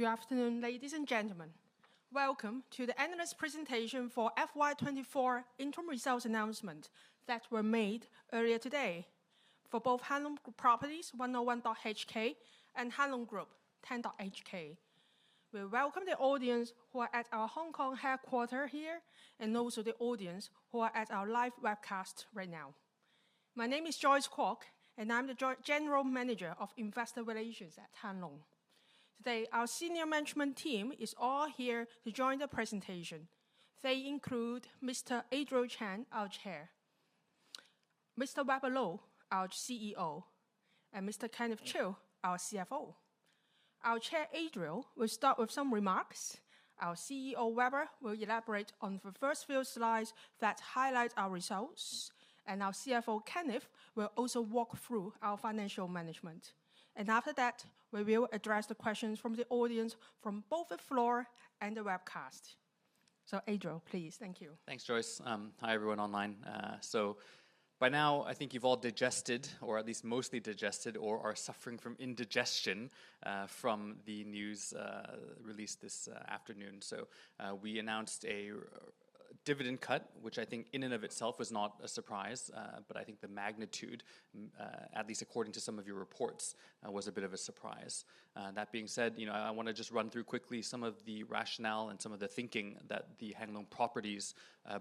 Good afternoon, ladies and gentlemen. Welcome to the analyst presentation for FY 2024 interim results announcement that were made earlier today for both Hang Lung Properties, 101.HK, and Hang Lung Group, 10.HK. We welcome the audience who are at our Hong Kong headquarters here, and also the audience who are at our live webcast right now. My name is Joyce Kwok, and I'm the General Manager of Investor Relations at Hang Lung. Today, our senior management team is all here to join the presentation. They include Mr. Adriel Chan, our Chair; Mr. Weber Lo, our CEO; and Mr. Kenneth Chiu, our CFO. Our Chair, Adriel, will start with some remarks. Our CEO, Weber, will elaborate on the first few slides that highlight our results, and our CFO, Kenneth, will also walk through our financial management. After that, we will address the questions from the audience, from both the floor and the webcast. Adriel, please. Thank you. Thanks, Joyce. Hi, everyone online. So by now I think you've all digested, or at least mostly digested or are suffering from indigestion, from the news released this afternoon. So we announced a dividend cut, which I think in and of itself was not a surprise, but I think the magnitude, at least according to some of your reports, was a bit of a surprise. That being said, you know, I wanna just run through quickly some of the rationale and some of the thinking that the Hang Lung Properties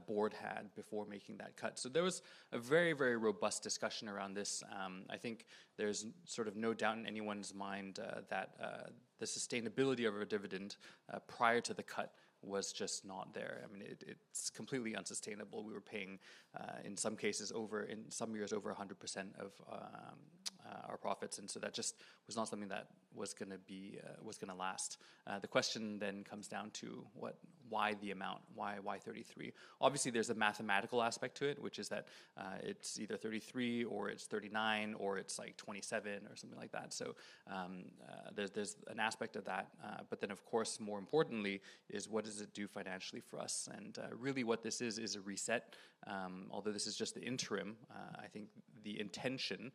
board had before making that cut. So there was a very, very robust discussion around this. I think there's sort of no doubt in anyone's mind, that the sustainability of a dividend, prior to the cut was just not there. I mean, it's completely unsustainable. We were paying, in some cases, over in some years, over 100% of our profits, and so that just was not something that was gonna be, was gonna last. The question then comes down to what- why the amount? Why, why 33? Obviously, there's a mathematical aspect to it, which is that, it's either 33 or it's 39, or it's, like, 27 or something like that. So, there's an aspect of that. But then, of course, more importantly, is what does it do financially for us? And, really, what this is, is a reset. Although this is just the interim, I think the intention,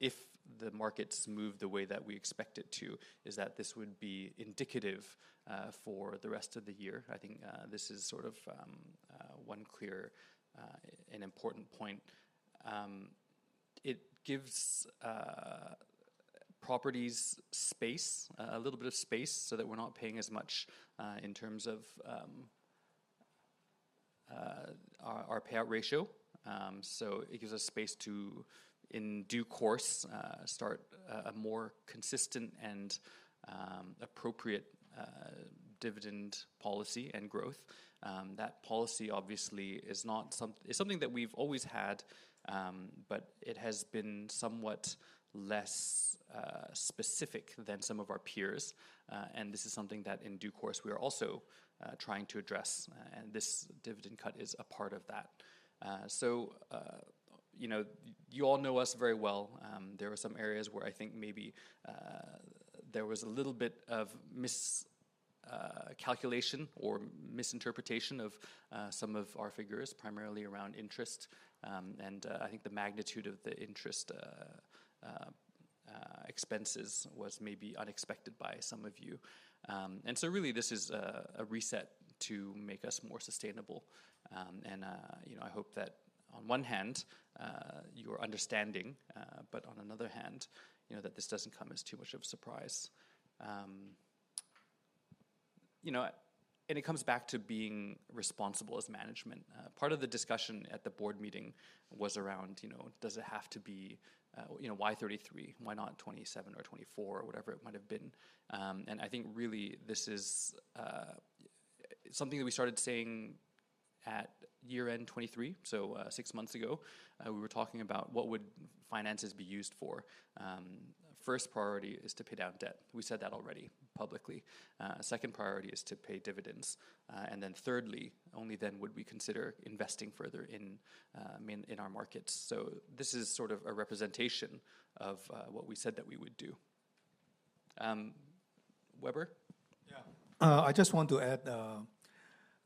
if the markets move the way that we expect it to, is that this would be indicative, for the rest of the year. I think, this is sort of, one clear, and important point. It gives, properties space, a little bit of space so that we're not paying as much, in terms of, our payout ratio. So it gives us space to, in due course, start a more consistent and, appropriate, dividend policy and growth. That policy obviously is not some—it's something that we've always had, but it has been somewhat less, specific than some of our peers. And this dividend cut is a part of that. So, you know, you all know us very well. There are some areas where I think maybe there was a little bit of miscalculation or misinterpretation of some of our figures, primarily around interest. And I think the magnitude of the interest expenses was maybe unexpected by some of you. And so really, this is a reset to make us more sustainable. And you know, I hope that on one hand you are understanding, but on another hand, you know, that this doesn't come as too much of a surprise. You know, and it comes back to being responsible as management. Part of the discussion at the board meeting was around, you know, does it have to be, you know, why 33? Why not 27 or 24, or whatever it might have been? And I think really this is something that we started saying at year-end 2023, so six months ago. We were talking about what would finances be used for. First priority is to pay down debt. We said that already publicly. Second priority is to pay dividends. And then thirdly, only then would we consider investing further in our markets. So this is sort of a representation of what we said that we would do. Weber? Yeah. I just want to add,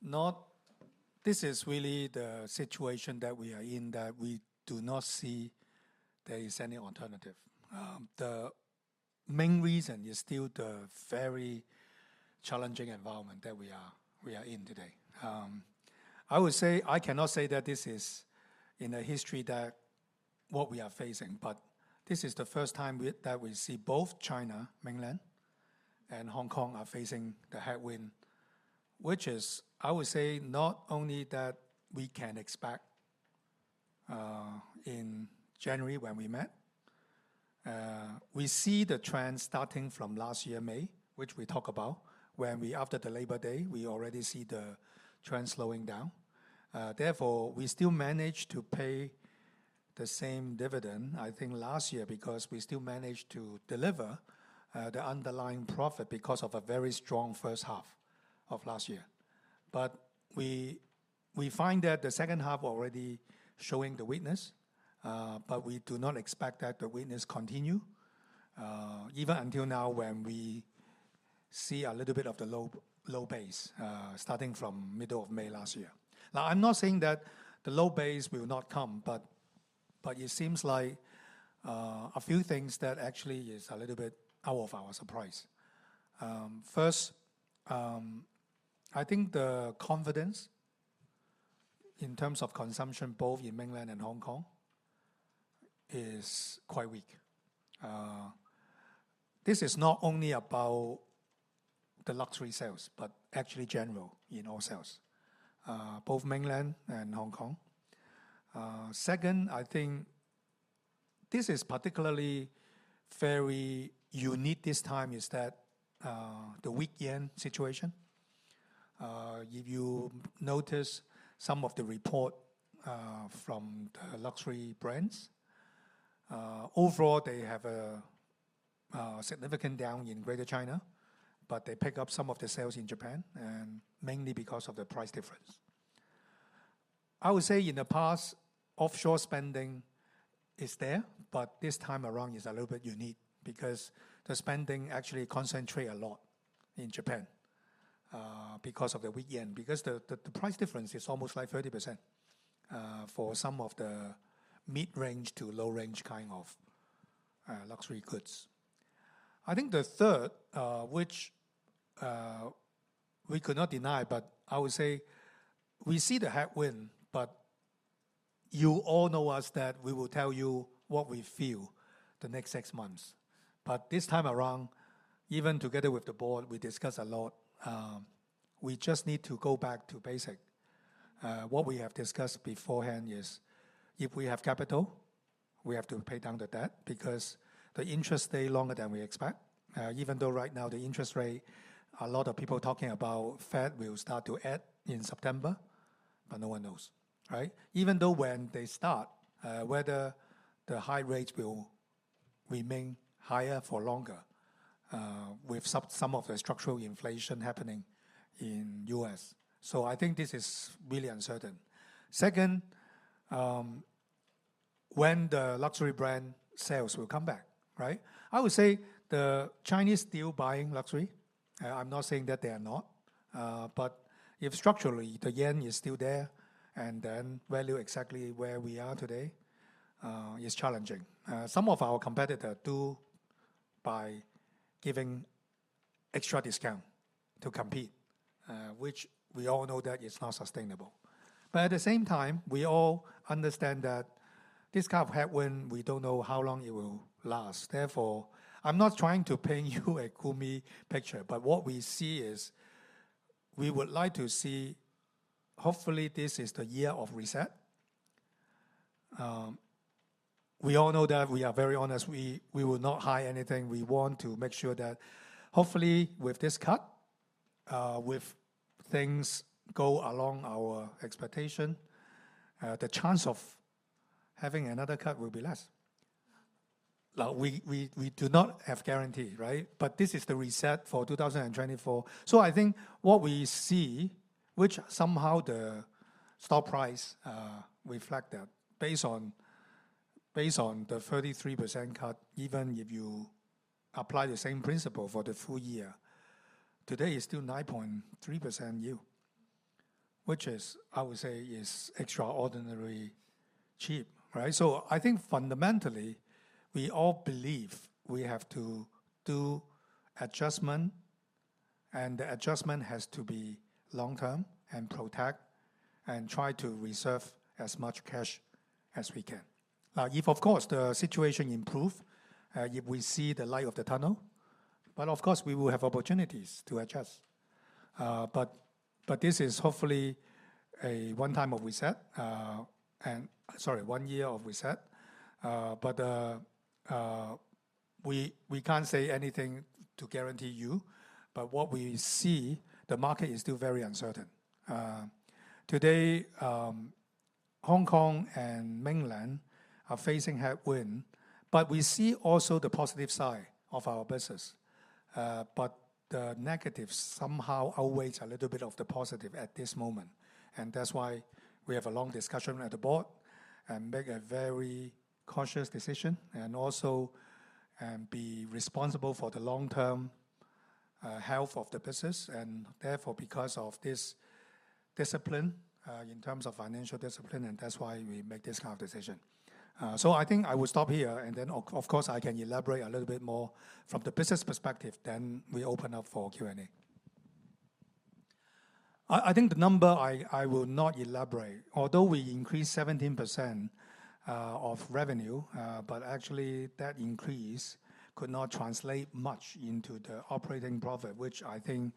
not, this is really the situation that we are in, that we do not see there is any alternative. The main reason is still the very challenging environment that we are in today. I would say, I cannot say that this is in the history that what we are facing, but this is the first time that we see both China, mainland and Hong Kong, are facing the headwind. Which is, I would say, not only that we can expect, in January when we met, we see the trend starting from last year, May, which we talk about, when we, after the Labor Day, we already see the trend slowing down. Therefore, we still managed to pay the same dividend, I think last year, because we still managed to deliver the underlying profit because of a very strong first half of last year. But we find that the second half already showing the weakness, but we do not expect that the weakness continue even until now, when we see a little bit of the low base starting from middle of May last year. Now, I'm not saying that the low base will not come, but. But it seems like a few things that actually is a little bit out of our surprise. First, I think the confidence in terms of consumption, both in mainland and Hong Kong, is quite weak. This is not only about the luxury sales, but actually general, in all sales, both mainland and Hong Kong. Second, I think this is particularly very unique this time, is that, the weak yen situation. If you notice some of the report, from the luxury brands, overall, they have a, significant down in Greater China, but they pick up some of the sales in Japan, and mainly because of the price difference. I would say in the past, offshore spending is there, but this time around is a little bit unique because the spending actually concentrate a lot in Japan, because of the weak yen. Because the, the, the price difference is almost like 30%, for some of the mid-range to low-range kind of, luxury goods. I think the third, which, we could not deny, but I would say we see the headwind, but you all know us, that we will tell you what we feel the next six months. But this time around, even together with the board, we discuss a lot. We just need to go back to basic. What we have discussed beforehand is, if we have capital, we have to pay down the debt because the interest stay longer than we expect. Even though right now, the interest rate, a lot of people talking about Fed will start to add in September, but no one knows, right? Even though when they start, whether the high rate will remain higher for longer, with some of the structural inflation happening in U.S. So I think this is really uncertain. Second, when the luxury brand sales will come back, right? I would say the Chinese still buying luxury. I'm not saying that they are not, but if structurally the yen is still there, and then value exactly where we are today, is challenging. Some of our competitor do by giving extra discount to compete, which we all know that is not sustainable. But at the same time, we all understand that this kind of headwind, we don't know how long it will last. Therefore, I'm not trying to paint you a gloomy picture, but what we see is, we would like to see. Hopefully, this is the year of reset. We all know that we are very honest. We, we will not hide anything. We want to make sure that hopefully, with this cut, with things go along our expectation, the chance of having another cut will be less. Now, we do not have guarantee, right? But this is the reset for 2024. So I think what we see, which somehow the stock price reflect that, based on the 33% cut, even if you apply the same principle for the full year, today is still 9.3% yield, which is, I would say, is extraordinarily cheap, right? So I think fundamentally, we all believe we have to do adjustment, and the adjustment has to be long-term and protect, and try to reserve as much cash as we can. Now, if of course, the situation improve, if we see the light of the tunnel, but of course, we will have opportunities to adjust. But this is hopefully a one time of reset. Sorry, one year of reset. But we can't say anything to guarantee you, but what we see, the market is still very uncertain. Today, Hong Kong and mainland are facing headwind, but we see also the positive side of our business. But the negatives somehow outweighs a little bit of the positive at this moment, and that's why we have a long discussion with the board, and make a very conscious decision, and also, be responsible for the long-term, health of the business. And therefore, because of this discipline, in terms of financial discipline, and that's why we make this kind of decision. So I think I will stop here, and then of course, I can elaborate a little bit more from the business perspective, then we open up for Q&A. I think the number I will not elaborate, although we increased 17% of revenue, but actually, that increase could not translate much into the operating profit, which I think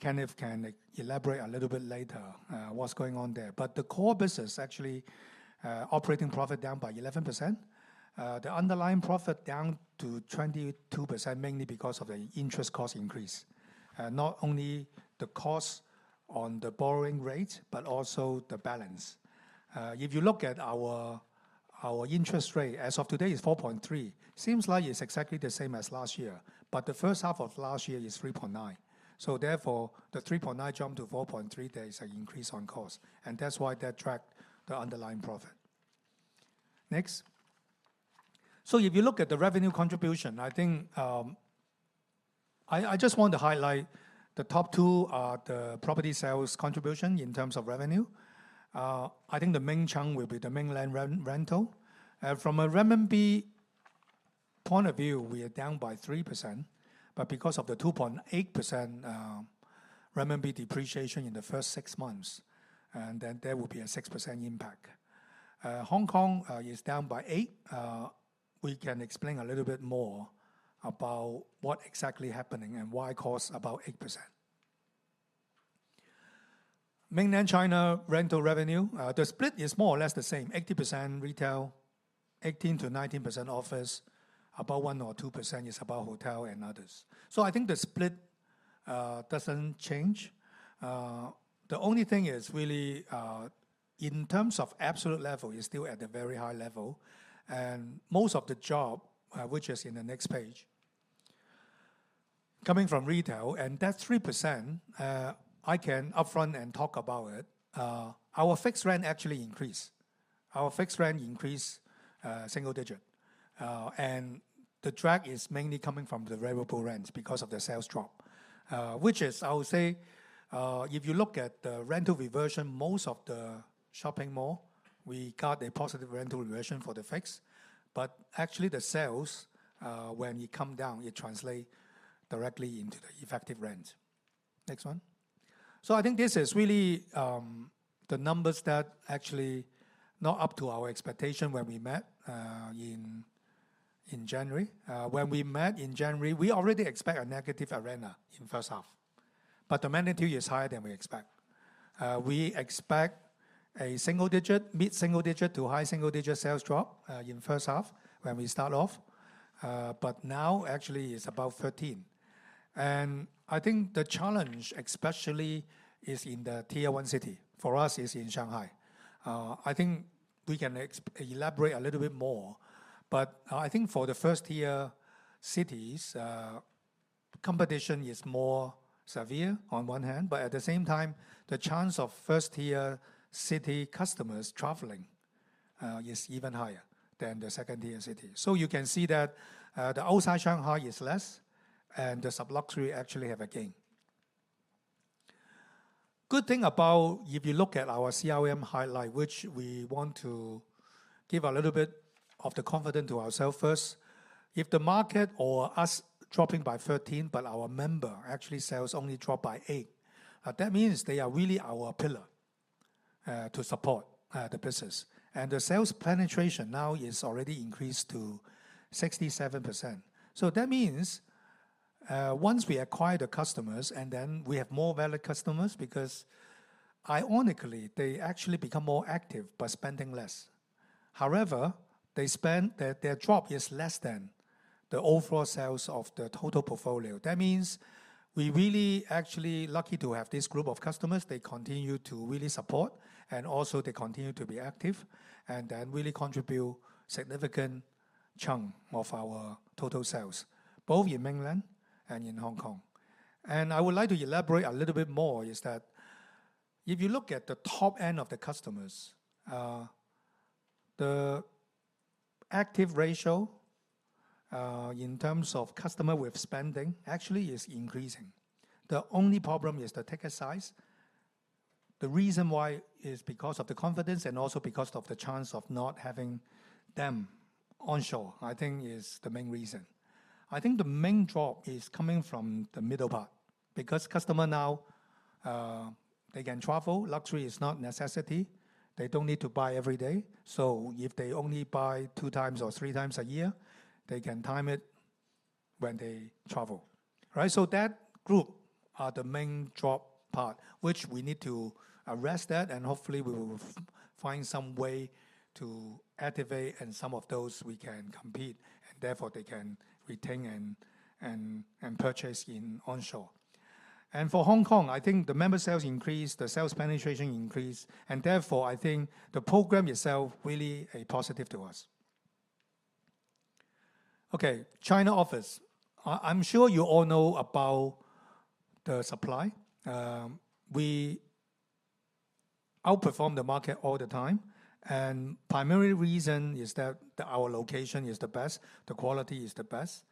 Kenneth can elaborate a little bit later, what's going on there. But the core business, actually, operating profit down by 11%. The underlying profit down to 22%, mainly because of the interest cost increase. Not only the cost on the borrowing rate, but also the balance. If you look at our interest rate, as of today is 4.3. Seems like it's exactly the same as last year, but the first half of last year is 3.9. Therefore, the 3.9 jump to 4.3, there is an increase on cost, and that's why that tracked the underlying profit. Next? So if you look at the revenue contribution, I think, I just want to highlight the top two, the property sales contribution in terms of revenue. I think the main chunk will be the mainland rental. From a RMB point of view, we are down by 3%, but because of the 2.8% RMB depreciation in the first six months, and then there will be a 6% impact. Hong Kong is down by eight. We can explain a little bit more about what exactly happening and why it cause about 8%. Mainland China rental revenue, the split is more or less the same, 80% retail, 18%-19% office, about 1% or 2% is about hotel and others. So I think the split doesn't change. The only thing is really, in terms of absolute level, it's still at a very high level, and most of the job, which is in the next page, coming from retail, and that 3%, I can upfront and talk about it. Our fixed rent actually increased. Our fixed rent increased, single-digit, and the drag is mainly coming from the variable rent because of the sales drop. Which is, I would say, if you look at the rental reversion, most of the shopping mall, we got a positive rental reversion for the fixed. But actually the sales, when it come down, it translate directly into the effective rent. Next one. So I think this is really, the numbers that actually not up to our expectation when we met, in January. When we met in January, we already expect a negative reversion in first half, but the magnitude is higher than we expect. We expect a single digit, mid-single digit to high single digit sales drop, in first half when we start off, but now actually it's about 13. And I think the challenge especially is in the Tier One city. For us, it's in Shanghai. I think we can elaborate a little bit more, but I think for the first tier cities, competition is more severe on one hand, but at the same time, the chance of first tier city customers traveling is even higher than the second tier city. So you can see that, the outside Shanghai is less, and the sub-luxury actually have a gain. Good thing about if you look at our CRM highlight, which we want to give a little bit of the confidence to ourselves first. If the market or us dropping by 13, but our member actually sales only dropped by 8, that means they are really our pillar to support the business. And the sales penetration now is already increased to 67%. So that means, once we acquire the customers, and then we have more valid customers, because ironically, they actually become more active by spending less. However, they spend... Their, their drop is less than the overall sales of the total portfolio. That means we really actually lucky to have this group of customers. They continue to really support, and also they continue to be active, and then really contribute significant chunk of our total sales, both in mainland and in Hong Kong. And I would like to elaborate a little bit more, is that if you look at the top end of the customers, the active ratio, in terms of customer with spending, actually is increasing. The only problem is the ticket size. The reason why is because of the confidence and also because of the chance of not having them onshore, I think is the main reason. I think the main drop is coming from the middle part, because customer now, they can travel. Luxury is not necessity. They don't need to buy every day, so if they only buy two times or three times a year, they can time it when they travel, right? So that group are the main drop part, which we need to arrest that, and hopefully we will find some way to activate and some of those we can compete, and therefore they can retain and purchase in onshore. And for Hong Kong, I think the member sales increased, the sales penetration increased, and therefore, I think the program itself really a positive to us. Okay, China office. I'm sure you all know about the supply. We outperform the market all the time, and primary reason is that our location is the best, the quality is the best.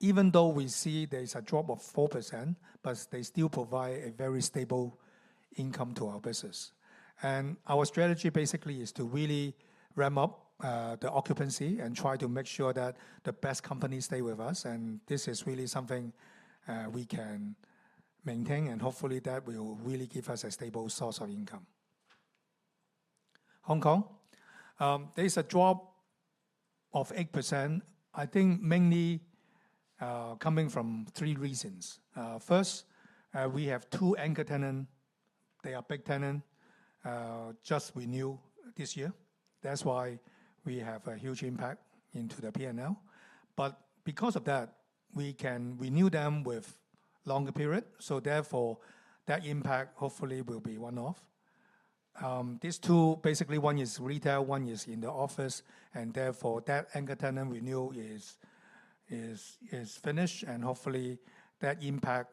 Even though we see there is a drop of 4%, but they still provide a very stable income to our business. Our strategy basically is to really ramp up the occupancy and try to make sure that the best companies stay with us, and this is really something we can maintain, and hopefully that will really give us a stable source of income. Hong Kong, there is a drop of 8%, I think mainly coming from three reasons. First, we have two anchor tenant. They are big tenant, just renew this year. That's why we have a huge impact into the P&L, but because of that, we can renew them with longer period, so therefore, that impact hopefully will be one-off. These two, basically one is retail, one is in the office, and therefore, that anchor tenant renewal is finished, and hopefully that impact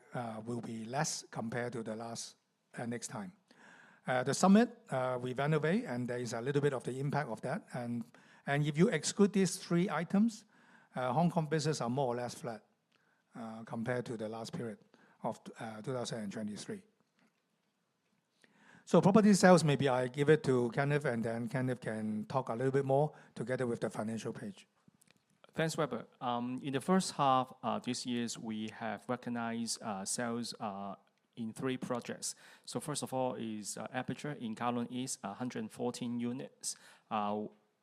will be less compared to the last next time, the summit we renovate and there is a little bit of the impact of that. And if you exclude these three items, Hong Kong business are more or less flat compared to the last period of 2023. So property sales, maybe I give it to Kenneth, and then Kenneth can talk a little bit more together with the financial page. Thanks, Weber. In the first half, this year, we have recognized sales in three projects. So first of all is The Aperture in Kowloon East, 114 units.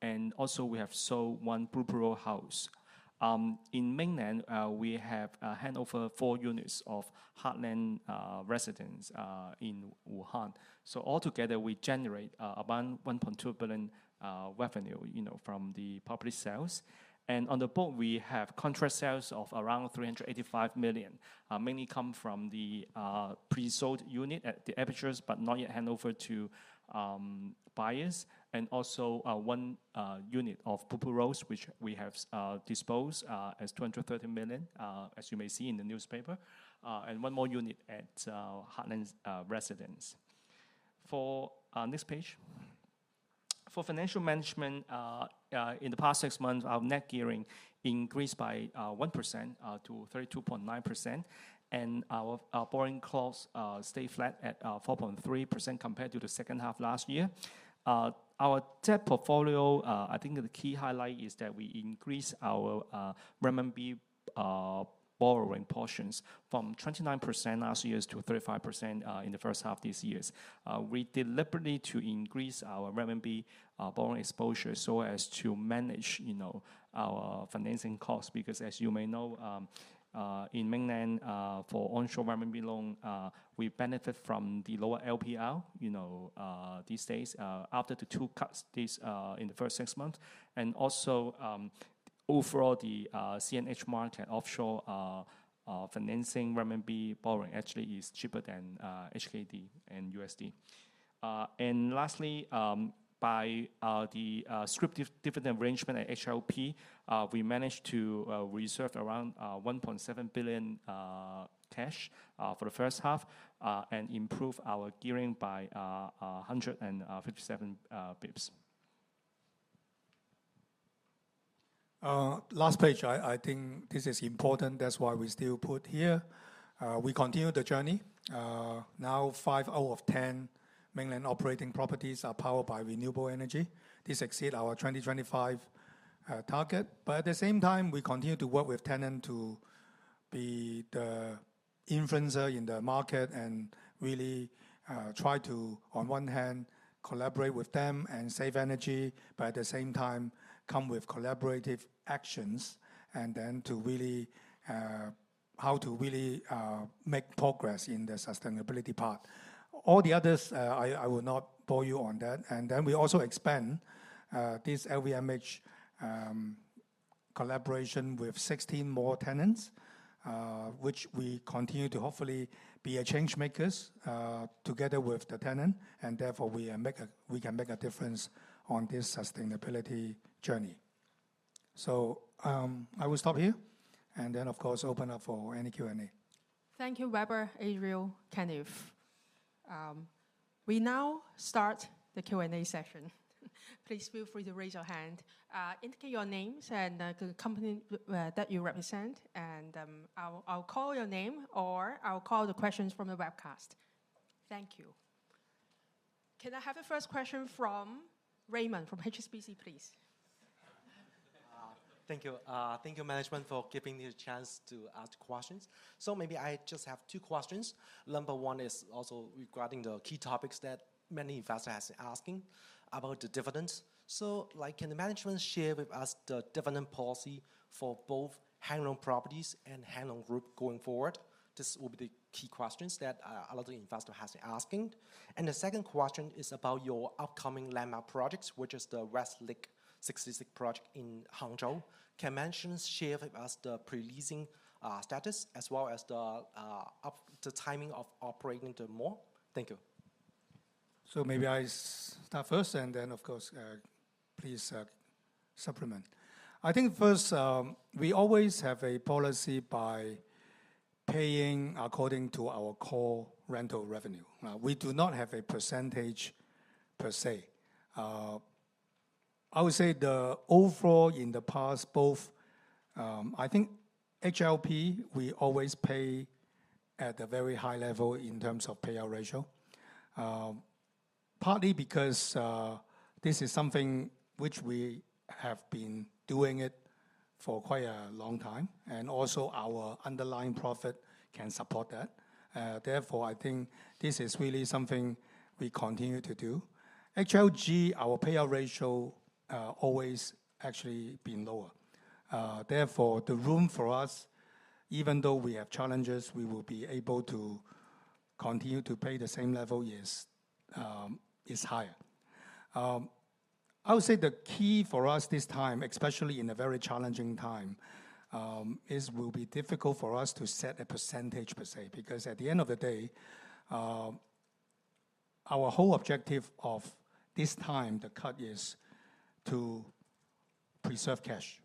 And also we have sold one Blue Pool Road House. In mainland, we have handover four units of Heartland Residences in Wuhan. So altogether, we generate about 1.2 billion revenue, you know, from the property sales. And on the book, we have contract sales of around 385 million, mainly come from the pre-sold unit at the Apertures, but not yet handover to buyers. And also, one unit of Blue Pool Road Houses, which we have disposed of as 230 million, as you may see in the newspaper, and one more unit at Heartland Residences. For next page. For financial management, in the past six months, our net gearing increased by 1% to 32.9%, and our borrowing costs stay flat at 4.3% compared to the second half last year. Our debt portfolio, I think the key highlight is that we increased our renminbi borrowing portions from 29% last year to 35% in the first half this year. We deliberately to increase our renminbi borrowing exposure so as to manage, you know, our financing costs, because as you may know, in mainland, for onshore renminbi loan, we benefit from the lower LPR, you know, these days, after the two cuts, this, in the first six months. Also, overall, the CNH market, offshore, financing renminbi borrowing actually is cheaper than HKD and USD. And lastly, by the scrip dividend arrangement at HLP, we managed to reserve around 1.7 billion cash for the first half, and improve our gearing by 157 basis points. Last page. I think this is important, that's why we still put here. We continue the journey. Now five out of 10 mainland operating properties are powered by renewable energy. This exceed our 2025 target, but at the same time, we continue to work with tenant to be the influencer in the market and really try to, on one hand, collaborate with them and save energy, but at the same time, come with collaborative actions, and then to really how to really make progress in the sustainability part. All the others, I will not bore you on that. And then we also expand this LVMH collaboration with 16 more tenants, which we continue to hopefully be a change makers together with the tenant, and therefore we can make a difference on this sustainability journey. So, I will stop here, and then of course, open up for any Q&A. Thank you, Weber, Adriel, Kenneth. We now start the Q&A session. Please feel free to raise your hand. Indicate your names and the company that you represent, and I'll call your name, or I'll call the questions from the webcast. Thank you. Can I have the first question from Raymond, from HSBC, please? Thank you, management, for giving me the chance to ask questions. So maybe I just have two questions. Number one is also regarding the key topics that many investors have been asking about the dividends. So, like, can the management share with us the dividend policy for both Hang Lung Properties and Hang Lung Group going forward? This will be the key question that a lot of the investors have been asking. And the second question is about your upcoming landmark projects, which is the Westlake 66 project in Hangzhou. Can management share with us the pre-leasing status, as well as the timing of operating the mall? Thank you. So maybe I start first, and then, of course, please, supplement. I think first, we always have a policy by paying according to our core rental revenue. We do not have a percentage per se. I would say the overall in the past, both... I think HLP, we always pay at a very high level in terms of payout ratio, partly because, this is something which we have been doing it for quite a long time, and also our underlying profit can support that. Therefore, I think this is really something we continue to do. HLG, our payout ratio, always actually been lower. Therefore, the room for us, even though we have challenges, we will be able to continue to pay the same level, yes, is higher. I would say the key for us this time, especially in a very challenging time, is will be difficult for us to set a percentage per se, because at the end of the day, our whole objective of this time, the cut, is to preserve cash.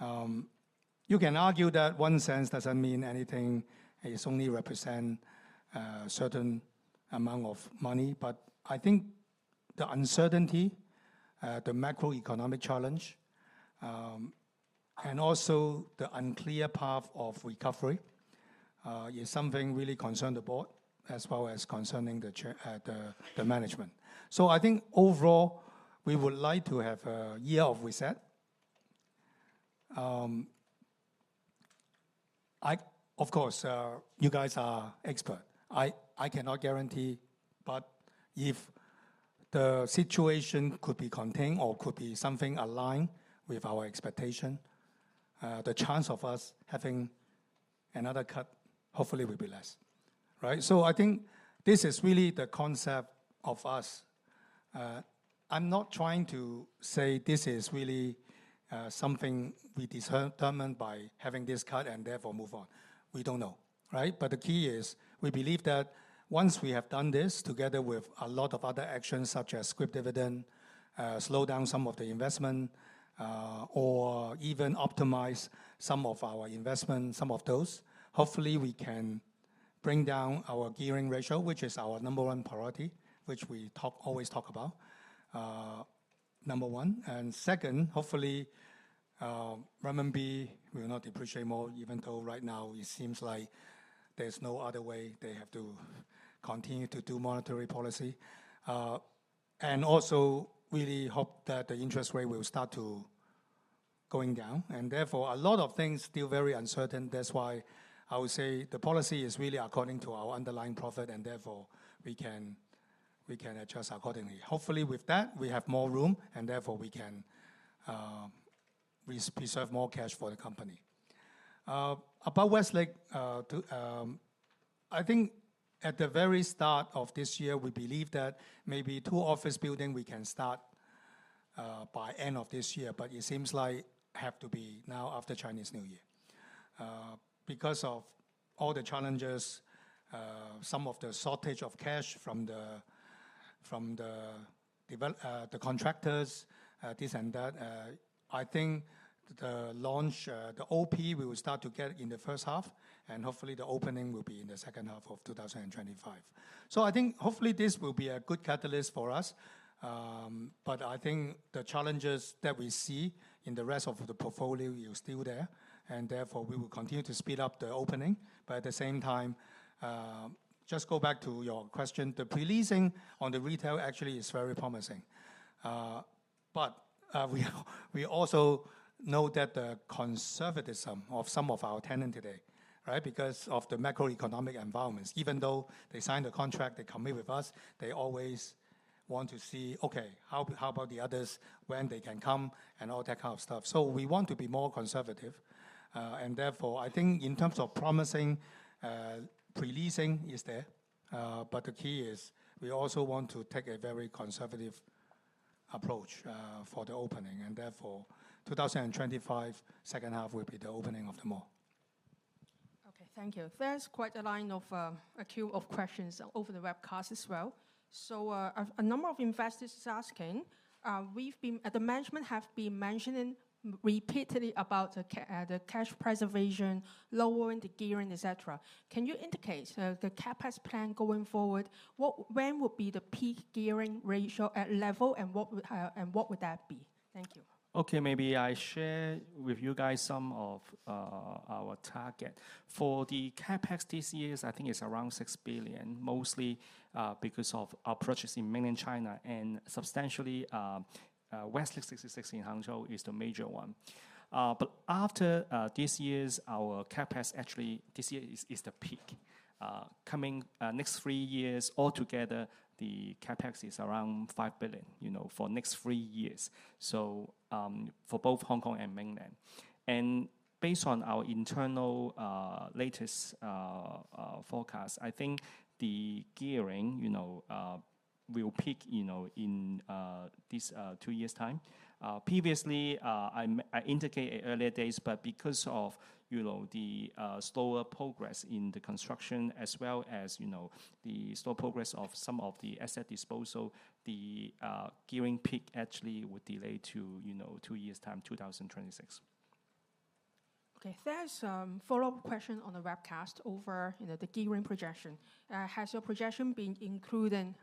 You can argue that one cent doesn't mean anything, it's only represent certain amount of money. But I think the uncertainty, the macroeconomic challenge, and also the unclear path of recovery, is something really concern the board, as well as concerning the management. So I think overall, we would like to have a year of reset. I, of course, you guys are expert. I cannot guarantee, but if the situation could be contained or could be something aligned with our expectation, the chance of us having another cut hopefully will be less, right? So I think this is really the concept of us. I'm not trying to say this is really, something we determine by having this cut and therefore move on. We don't know, right? But the key is, we believe that once we have done this, together with a lot of other actions, such as scrip dividend, slow down some of the investment, or even optimize some of our investment, some of those, hopefully we can bring down our gearing ratio, which is our number one priority, which we always talk about, number one. And second, hopefully, renminbi will not depreciate more, even though right now it seems like there's no other way. They have to continue to do monetary policy. And also really hope that the interest rate will start to going down, and therefore, a lot of things still very uncertain. That's why I would say the policy is really according to our underlying profit, and therefore, we can, we can adjust accordingly. Hopefully with that, we have more room, and therefore we can, preserve more cash for the company. About Westlake, I think at the very start of this year, we believe that maybe two office building we can start, by end of this year, but it seems like have to be now after Chinese New Year. Because of all the challenges, some of the shortage of cash from the developers, the contractors, this and that, I think the launch, the opening, we will start to get in the first half, and hopefully the opening will be in the second half of 2025. So I think hopefully this will be a good catalyst for us. But I think the challenges that we see in the rest of the portfolio is still there, and therefore, we will continue to speed up the opening. But at the same time, just go back to your question, the pre-leasing on the retail actually is very promising. But, we also know that the conservatism of some of our tenant today, right? Because of the macroeconomic environments, even though they signed a contract, they commit with us, they always want to see, "Okay, how about the others, when they can come?" And all that kind of stuff. So we want to be more conservative, and therefore, I think in terms of promising, pre-leasing is there, but the key is, we also want to take a very conservative approach, for the opening, and therefore, 2025, second half, will be the opening of the mall. Okay, thank you. There's quite a line of, a queue of questions over the webcast as well. So, a number of investors is asking, "We've been, the management have been mentioning repeatedly about the cash preservation, lowering the gearing, et cetera. Can you indicate, the CapEx plan going forward? When will be the peak gearing ratio at level, and what would, and what would that be?" Thank you. Okay, maybe I share with you guys some of our target. For the CapEx this year, I think it's around 6 billion, mostly because of our purchase in Mainland China, and substantially Westlake 66 in Hangzhou is the major one. But after this year, our CapEx actually, this year is the peak. Coming next 3 years altogether, the CapEx is around 5 billion, you know, for next 3 years, so for both Hong Kong and mainland. And based on our internal latest forecast, I think the gearing, you know, will peak, you know, in this 2 years' time. Previously, I indicate earlier days, but because of, you know, the slower progress in the construction as well as, you know, the slow progress of some of the asset disposal, the gearing peak actually would delay to, you know, two years' time, 2026. Okay, there's some follow-up question on the webcast over, you know, the gearing projection. Has your projection been including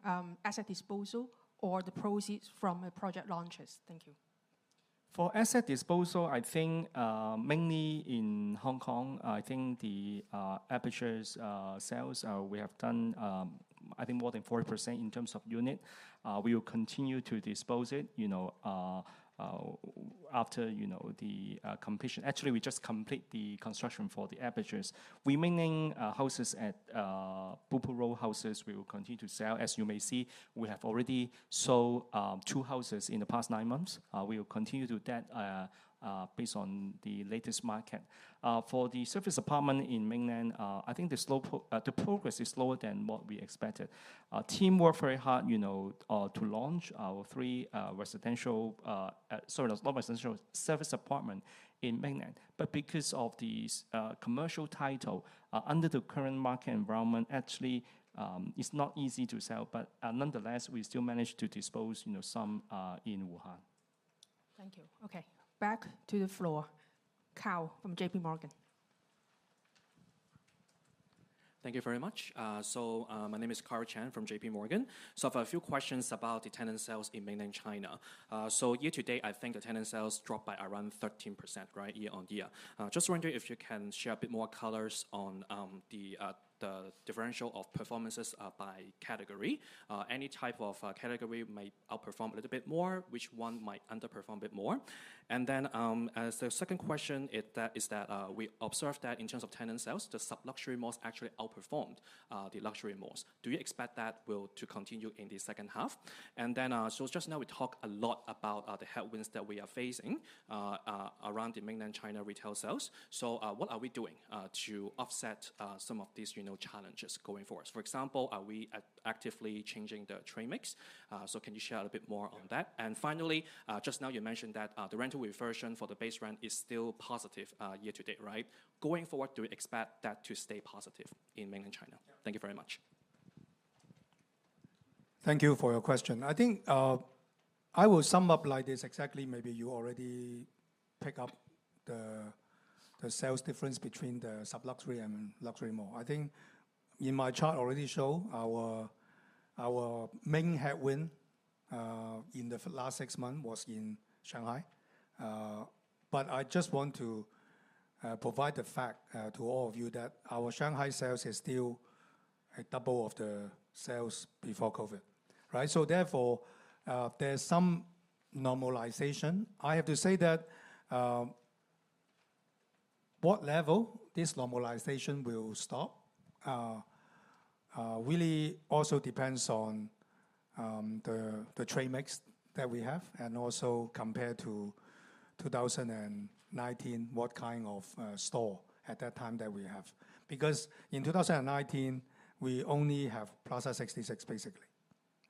asset disposal or the proceeds from the project launches? Thank you. For asset disposal, I think, mainly in Hong Kong, I think the Aperture's sales, we have done, I think more than 40% in terms of unit. We will continue to dispose it, you know, after, you know, the completion. Actually, we just complete the construction for the Aperture. Remaining houses at Blue Pool Road houses, we will continue to sell. As you may see, we have already sold two houses in the past nine months. We will continue to do that, based on the latest market. For the serviced apartment in mainland, I think the progress is slower than what we expected. Our team worked very hard, you know, to launch our three residential, sorry, not residential, serviced apartment in mainland. But because of the commercial title under the current market environment, actually, it's not easy to sell. But nonetheless, we still managed to dispose, you know, some in Wuhan. Thank you. Okay, back to the floor. Karl from J.P. Morgan. Thank you very much. My name is Karl Chan from J.P. Morgan. I have a few questions about the tenant sales in Mainland China. Year-to-date, I think the tenant sales dropped by around 13%, right, year-on-year. Just wondering if you can share a bit more colors on the differential of performances by category. Any type of category may outperform a little bit more, which one might underperform a bit more? And then, as the second question, we observed that in terms of tenant sales, the sub-luxury malls actually outperformed the luxury malls. Do you expect that will to continue in the second half? And then, so just now we talk a lot about the headwinds that we are facing around the Mainland China retail sales. So, what are we doing to offset some of these, you know, challenges going forward? For example, are we actively changing the trade mix? So can you share a bit more on that? And finally, just now you mentioned that the rental reversion for the base rent is still positive year-to-date, right? Going forward, do you expect that to stay positive in Mainland China? Thank you very much. Thank you for your question. I think, I will sum up like this, exactly maybe you already pick up the sales difference between the sub-luxury and luxury mall. I think in my chart already show our main headwind in the last 6 months was in Shanghai. But I just want to provide the fact to all of you that our Shanghai sales is still at double of the sales before COVID, right? So therefore, there's some normalization. I have to say that what level this normalization will stop really also depends on the trade mix that we have, and also compared to 2019, what kind of store at that time that we have. Because in 2019, we only have Plaza 66, basically.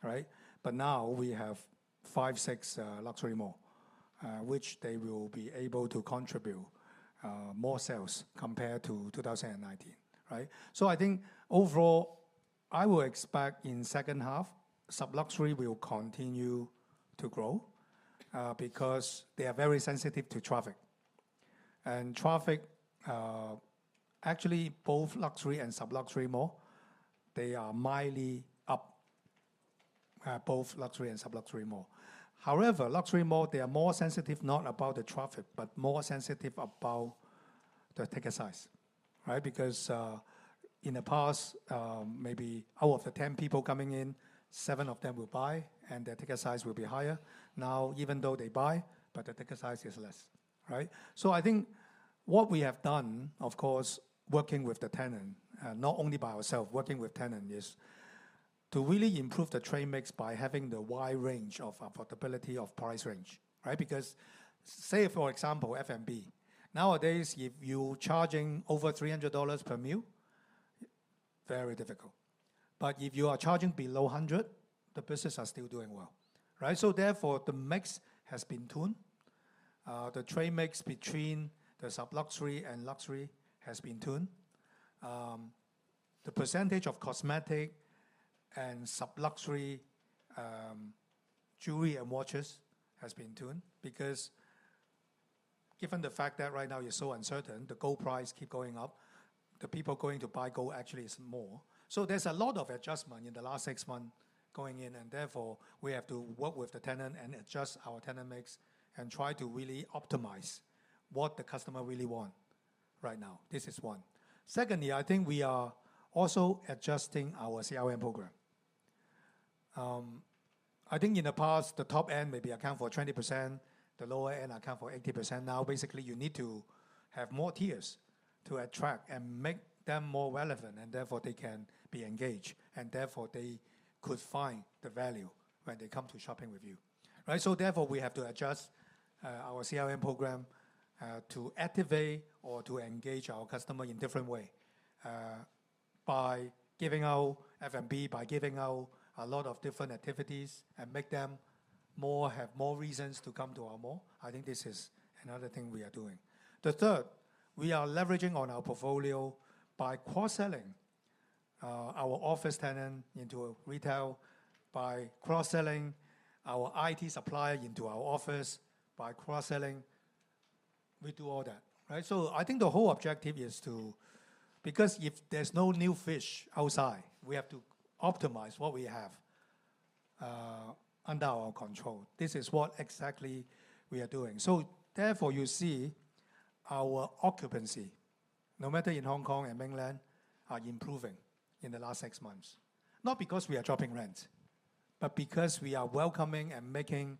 Right? But now we have 5, 6 luxury mall, which they will be able to contribute more sales compared to 2019, right? So I think overall, I will expect in second half, sub-luxury will continue to grow, because they are very sensitive to traffic. And traffic, actually, both luxury and sub-luxury mall, they are mildly up, both luxury and sub-luxury mall. However, luxury mall, they are more sensitive, not about the traffic, but more sensitive about the ticket size, right? Because, in the past, maybe out of the 10 people coming in, 7 of them will buy, and their ticket size will be higher. Now, even though they buy, but the ticket size is less, right? So I think what we have done, of course, working with the tenant, not only by ourselves, working with tenant, is to really improve the trade mix by having the wide range of affordability of price range, right? Because, say, for example, F&B. Nowadays, if you're charging over 300 dollars per meal, very difficult. But if you are charging below 100, the business are still doing well, right? So therefore, the mix has been tuned. The trade mix between the sub-luxury and luxury has been tuned. The percentage of cosmetic and sub-luxury, jewelry and watches has been tuned, because given the fact that right now it's so uncertain, the gold price keep going up, the people going to buy gold actually is more. So there's a lot of adjustment in the last six months going in, and therefore, we have to work with the tenant and adjust our tenant mix and try to really optimize what the customer really want right now. This is one. Secondly, I think we are also adjusting our CRM program. I think in the past, the top end maybe account for 20%, the lower end account for 80%. Now, basically, you need to have more tiers to attract and make them more relevant, and therefore they can be engaged, and therefore they could find the value when they come to shopping with you, right? So therefore, we have to adjust, our CRM program, to activate or to engage our customer in different way. By giving out F&B, by giving out a lot of different activities, and make them have more reasons to come to our mall. I think this is another thing we are doing. The third, we are leveraging on our portfolio by cross-selling our office tenant into retail, by cross-selling our IT supplier into our office, by cross-selling. We do all that, right? So I think the whole objective is to—because if there's no new fish outside, we have to optimize what we have under our control. This is what exactly we are doing. So therefore, you see our occupancy, no matter in Hong Kong and mainland, are improving in the last six months. Not because we are dropping rent, but because we are welcoming and making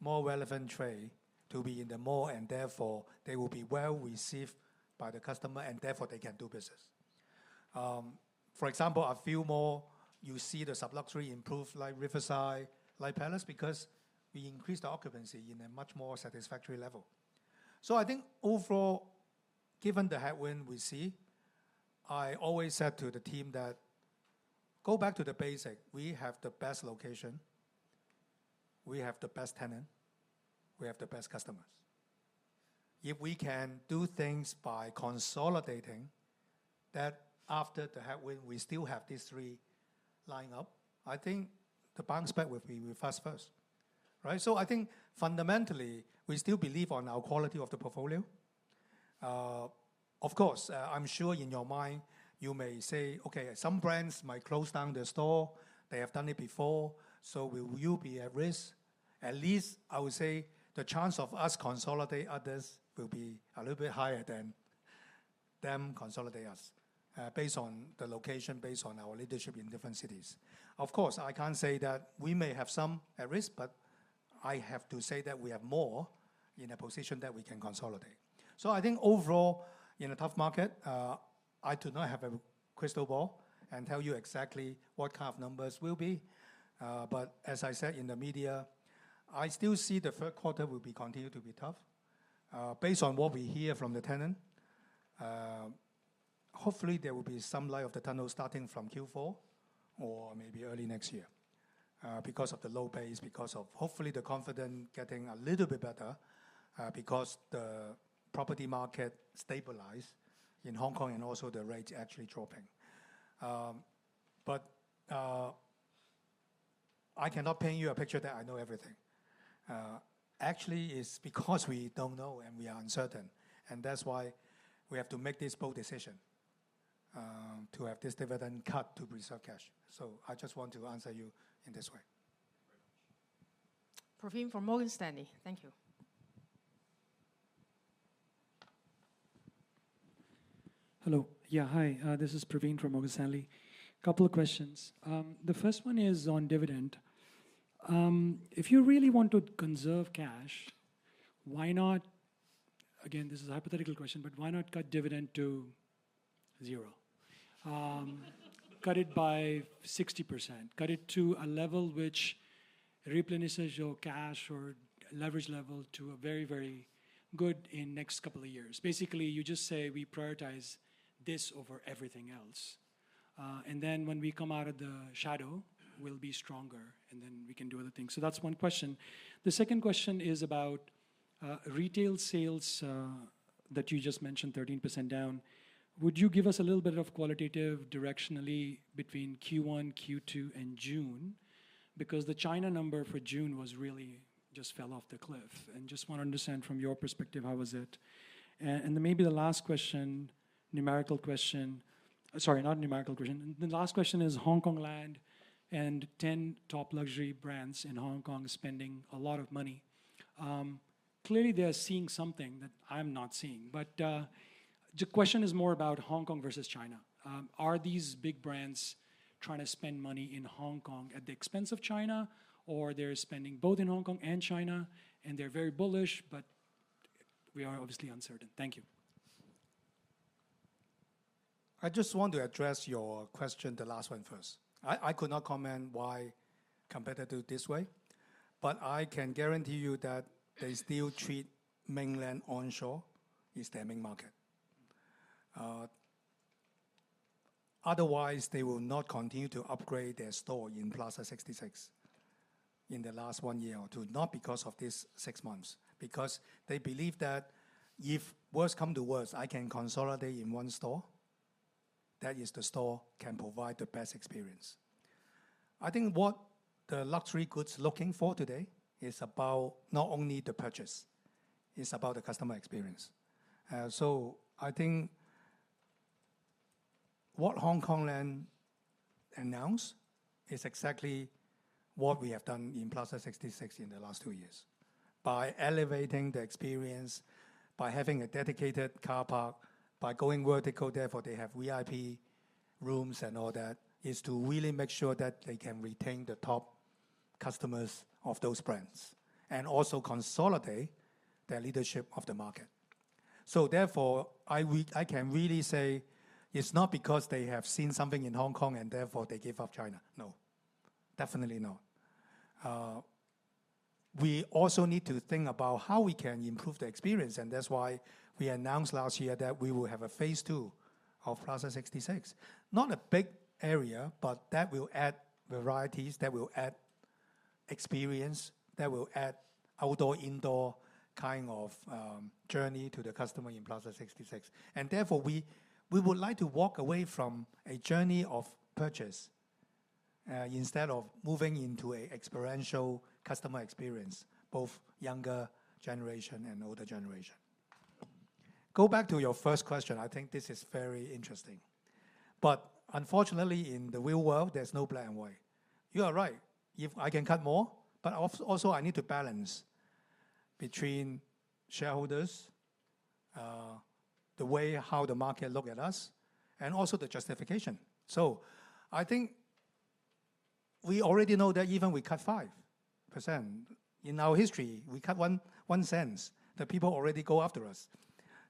more relevant trade to be in the mall, and therefore they will be well-received by the customer, and therefore they can do business. For example, a few more, you see the sub-luxury improve, like Riverside, like Palace, because we increased the occupancy in a much more satisfactory level. So I think overall, given the headwind we see, I always said to the team that, "Go back to the basic. We have the best location, we have the best tenant, we have the best customers." If we can do things by consolidating, that after the headwind, we still have these three line up, I think the bounce back will be very fast first. Right, so I think fundamentally, we still believe on our quality of the portfolio. Of course, I'm sure in your mind, you may say, "Okay, some brands might close down their store. They have done it before, so will you be at risk?" At least, I would say the chance of us consolidate others will be a little bit higher than them consolidate us, based on the location, based on our leadership in different cities. Of course, I can't say that we may have some at risk, but I have to say that we have more in a position that we can consolidate. So I think overall, in a tough market, I do not have a crystal ball and tell you exactly what kind of numbers will be. But as I said in the media, I still see the third quarter will be continue to be tough. Based on what we hear from the tenant, hopefully there will be some light of the tunnel starting from Q4 or maybe early next year. Because of the low base, because of hopefully the confidence getting a little bit better, because the property market stabilize in Hong Kong, and also the rates actually dropping. But, I cannot paint you a picture that I know everything. Actually, it's because we don't know and we are uncertain, and that's why we have to make this bold decision, to have this dividend cut to preserve cash. So I just want to answer you in this way. Praveen from Morgan Stanley. Thank you. Hello. Yeah, hi. This is Praveen from Morgan Stanley. Couple of questions. The first one is on dividend. If you really want to conserve cash, why not... Again, this is a hypothetical question, but why not cut dividend to zero? Cut it by 60%. Cut it to a level which replenishes your cash or leverage level to a very, very good in next couple of years. Basically, you just say, "We prioritize this over everything else. And then when we come out of the shadow, we'll be stronger, and then we can do other things." So that's one question. The second question is about retail sales that you just mentioned, 13% down. Would you give us a little bit of qualitative directionally between Q1, Q2, and June? Because the China number for June was really just fell off the cliff, and just want to understand from your perspective, how was it. And then maybe the last question, numerical question. Sorry, not numerical question. The last question is Hongkong Land and ten top luxury brands in Hong Kong spending a lot of money. Clearly, they are seeing something that I'm not seeing, but the question is more about Hong Kong versus China. Are these big brands trying to spend money in Hong Kong at the expense of China, or they're spending both in Hong Kong and China, and they're very bullish, but we are obviously uncertain? Thank you. I just want to address your question, the last one first. I could not comment why competitor do it this way, but I can guarantee you that they still treat mainland onshore as their main market. Otherwise, they will not continue to upgrade their store in Plaza 66 in the last one year or two, not because of this six months. Because they believe that if worse come to worse, I can consolidate in one store, that is the store can provide the best experience. I think what the luxury goods looking for today is about not only the purchase, it's about the customer experience. So I think what Hongkong Land announced is exactly what we have done in Plaza 66 in the last two years. By elevating the experience, by having a dedicated car park, by going vertical, therefore, they have VIP rooms and all that, is to really make sure that they can retain the top customers of those brands, and also consolidate their leadership of the market. So therefore, I can really say it's not because they have seen something in Hong Kong and therefore they give up China. No, definitely no. We also need to think about how we can improve the experience, and that's why we announced last year that we will have a phase two of Plaza 66. Not a big area, but that will add varieties, that will add experience, that will add outdoor, indoor kind of journey to the customer in Plaza 66. Therefore, we would like to walk away from a journey of purchase, instead of moving into an experiential customer experience, both younger generation and older generation. Go back to your first question. I think this is very interesting. But unfortunately, in the real world, there's no black and white. You are right. If I can cut more, but also, I need to balance between shareholders, the way how the market look at us, and also the justification. So I think we already know that even we cut 5%, in our history, we cut HK$0.01, the people already go after us.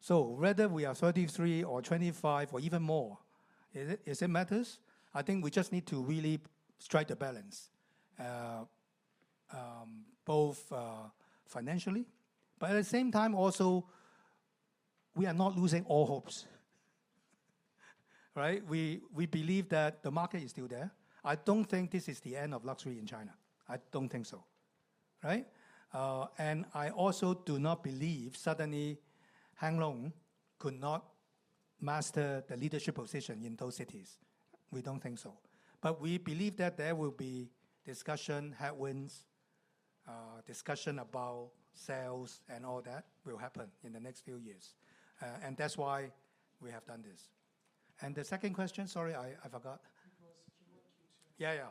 So whether we are 33 or 25 or even more, does it matter? I think we just need to really strike the balance, both financially, but at the same time also, we are not losing all hopes. Right? We, we believe that the market is still there. I don't think this is the end of luxury in China. I don't think so, right? And I also do not believe suddenly Hang Lung could not master the leadership position in those cities? We don't think so. But we believe that there will be discussion, headwinds, discussion about sales and all that will happen in the next few years. And that's why we have done this. And the second question, sorry, I, I forgot. It was Q1, Q2. Yeah, yeah.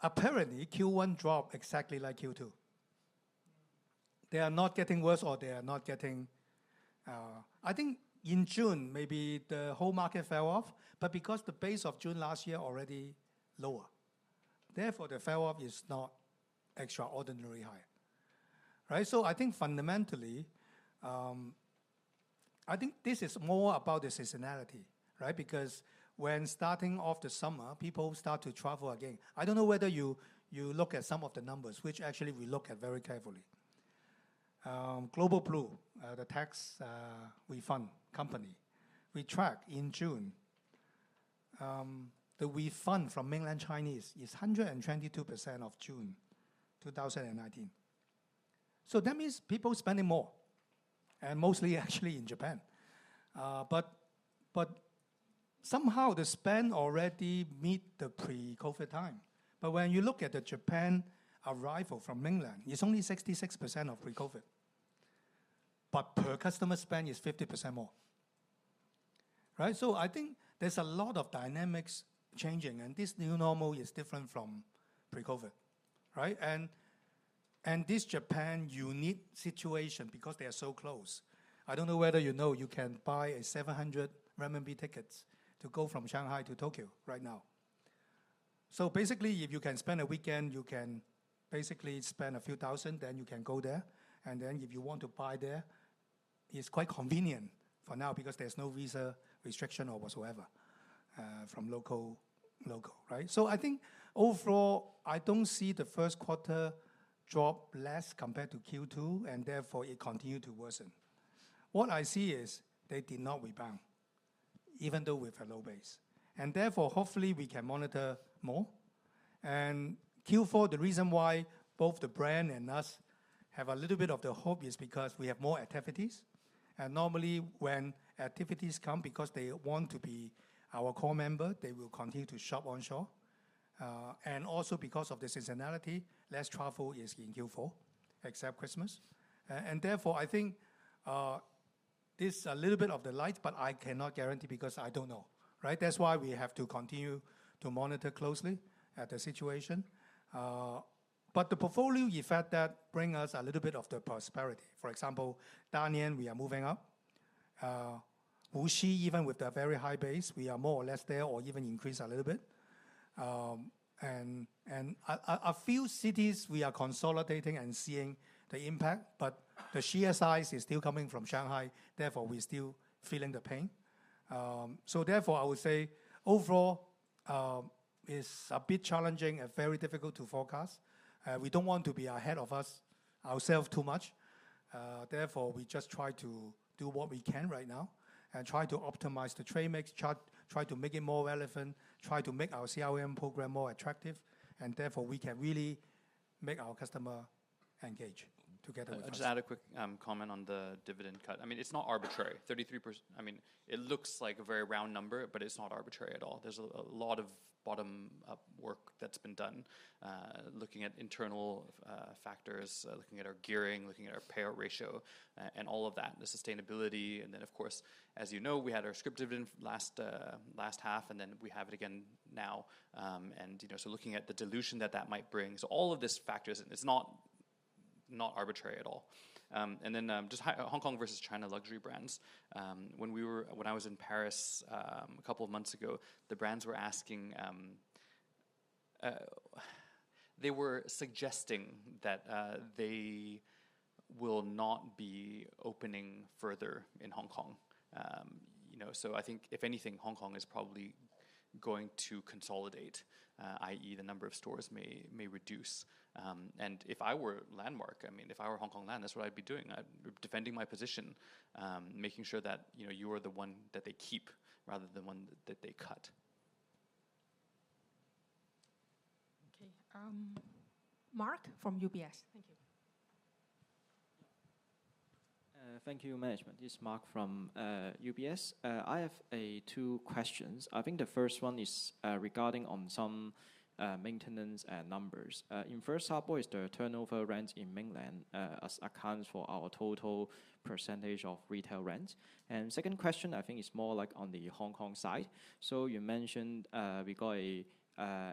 Apparently, Q1 dropped exactly like Q2. They are not getting worse or they are not getting. I think in June, maybe the whole market fell off, but because the base of June last year already lower, therefore, the fell off is not extraordinarily high. Right, so I think fundamentally, I think this is more about the seasonality, right? Because when starting off the summer, people start to travel again. I don't know whether you look at some of the numbers, which actually we look at very carefully. Global Blue, the tax refund company, we track in June, the refund from mainland Chinese is 122% of June 2019. So that means people spending more, and mostly actually in Japan. But somehow the spend already meet the pre-COVID time. But when you look at the Japan arrival from mainland, it's only 66% of pre-COVID, but per customer spend is 50% more, right? So I think there's a lot of dynamics changing, and this new normal is different from pre-COVID, right? And this Japan unique situation because they are so close. I don't know whether you know, you can buy a 700 RMB tickets to go from Shanghai to Tokyo right now. So basically, if you can spend a weekend, you can basically spend a few thousand RMB, then you can go there. And then if you want to buy there, it's quite convenient for now because there's no visa restriction or whatsoever from local, local, right? So I think overall, I don't see the first quarter drop less compared to Q2, and therefore it continue to worsen. What I see is they did not rebound, even though with a low base. And therefore, hopefully we can monitor more. And Q4, the reason why both the brand and us have a little bit of the hope is because we have more activities, and normally when activities come, because they want to be our core member, they will continue to shop onshore. And also because of the seasonality, less travel is in Q4, except Christmas. And therefore, I think, this a little bit of the light, but I cannot guarantee because I don't know, right? That's why we have to continue to monitor closely at the situation. But the portfolio effect that bring us a little bit of the prosperity. For example, Dalian, we are moving up. Wuxi, even with the very high base, we are more or less there or even increase a little bit. And a few cities, we are consolidating and seeing the impact, but the sheer size is still coming from Shanghai, therefore, we're still feeling the pain. So therefore, I would say overall, it's a bit challenging and very difficult to forecast. We don't want to be ahead of us, ourselves too much, therefore, we just try to do what we can right now and try to optimize the trade mix chart, try to make it more relevant, try to make our CRM program more attractive, and therefore, we can really make our customer engage together with us. Just add a quick comment on the dividend cut. I mean, it's not arbitrary, 33%. I mean, it looks like a very round number, but it's not arbitrary at all. There's a lot of bottom-up work that's been done, looking at internal factors, looking at our gearing, looking at our payout ratio, and all of that, the sustainability. And then, of course, as you know, we had our scrip dividend last half, and then we have it again now. And, you know, so looking at the dilution that that might bring. So all of these factors, it's not arbitrary at all. And then, just Hong Kong versus China luxury brands. When I was in Paris, a couple of months ago, the brands were asking. They were suggesting that they will not be opening further in Hong Kong. You know, so I think if anything, Hong Kong is probably going to consolidate, i.e., the number of stores may reduce. And if I were Landmark, I mean, if I were Hongkong Land, that's what I'd be doing. I'd be defending my position, making sure that, you know, you are the one that they keep rather than one that they cut. Okay. Mark from UBS. Thank you. Thank you, management. This is Mark from UBS. I have two questions. I think the first one is regarding on some maintenance and numbers. In first half, what is the turnover rents in mainland as accounts for our total percentage of retail rents? And second question, I think, is more like on the Hong Kong side. So you mentioned we got a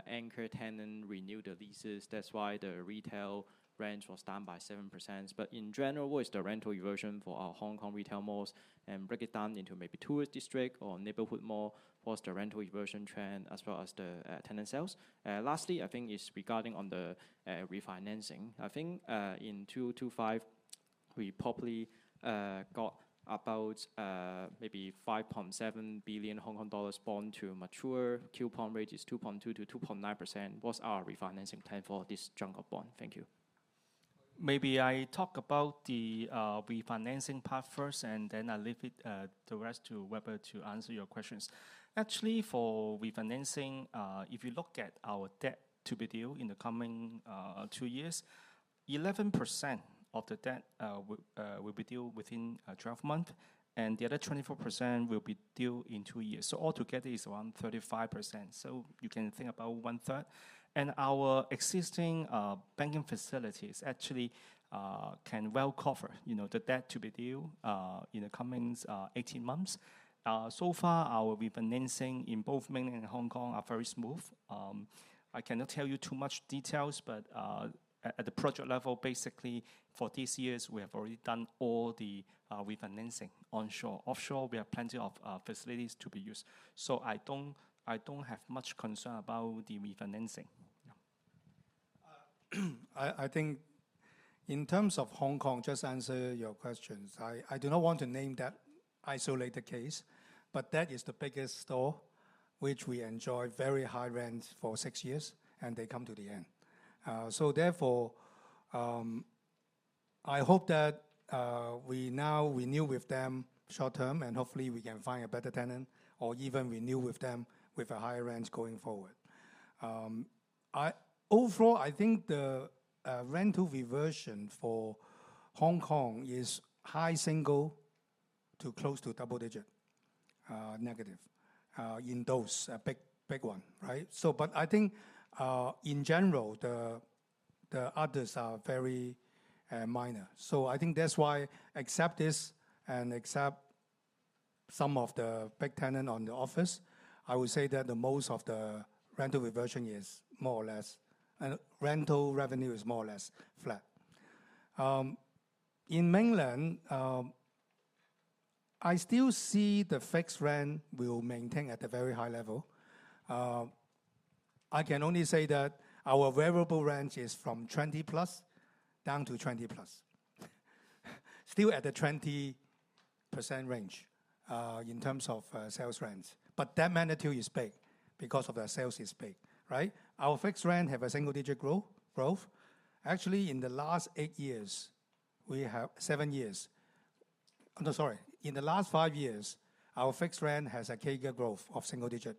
anchor tenant renew the leases, that's why the retail rents was down by 7%. But in general, what is the rental reversion for our Hong Kong retail malls, and break it down into maybe tourist district or neighborhood mall, what's the rental reversion trend, as well as the tenant sales? Lastly, I think, is regarding on the refinancing. I think, in 2025, we probably got about maybe 5.7 billion Hong Kong dollars bond to mature. Coupon rate is 2.2%-2.9%. What's our refinancing plan for this chunk of bond? Thank you. Maybe I talk about the refinancing part first, and then I leave it the rest to Weber to answer your questions. Actually, for refinancing, if you look at our debt to be due in the coming two years- 11% of the debt, will will be due within 12 months, and the other 24% will be due in 2 years. So altogether is around 35%, so you can think about one third. And our existing banking facilities actually can well cover, you know, the debt to be due in the coming 18 months. So far, our refinancing in both mainland and Hong Kong are very smooth. I cannot tell you too much details, but at the project level, basically for this years, we have already done all the refinancing onshore. Offshore, we have plenty of facilities to be used, so I don't have much concern about the refinancing. Yeah. I think in terms of Hong Kong, just answer your questions. I do not want to name that isolated case, but that is the biggest store which we enjoy very high rent for six years, and they come to the end. So therefore, I hope that we now renew with them short-term, and hopefully we can find a better tenant or even renew with them with a higher rent going forward. Overall, I think the rental reversion for Hong Kong is high single to close to double digit negative in those a big big one, right? So but I think in general, the others are very minor. So I think that's why except this and except some of the big tenant on the office, I would say that the most of the rental reversion is more or less... and rental revenue is more or less flat. In mainland, I still see the fixed rent will maintain at a very high level. I can only say that our variable rent is from twenty plus down to twenty plus. Still at the 20% range, in terms of, sales rents. But that magnitude is big because of the sales is big, right? Our fixed rent have a single-digit growth. Actually, in the last eight years, we have... Seven years. No, sorry, in the last five years, our fixed rent has a CAGR growth of single digit,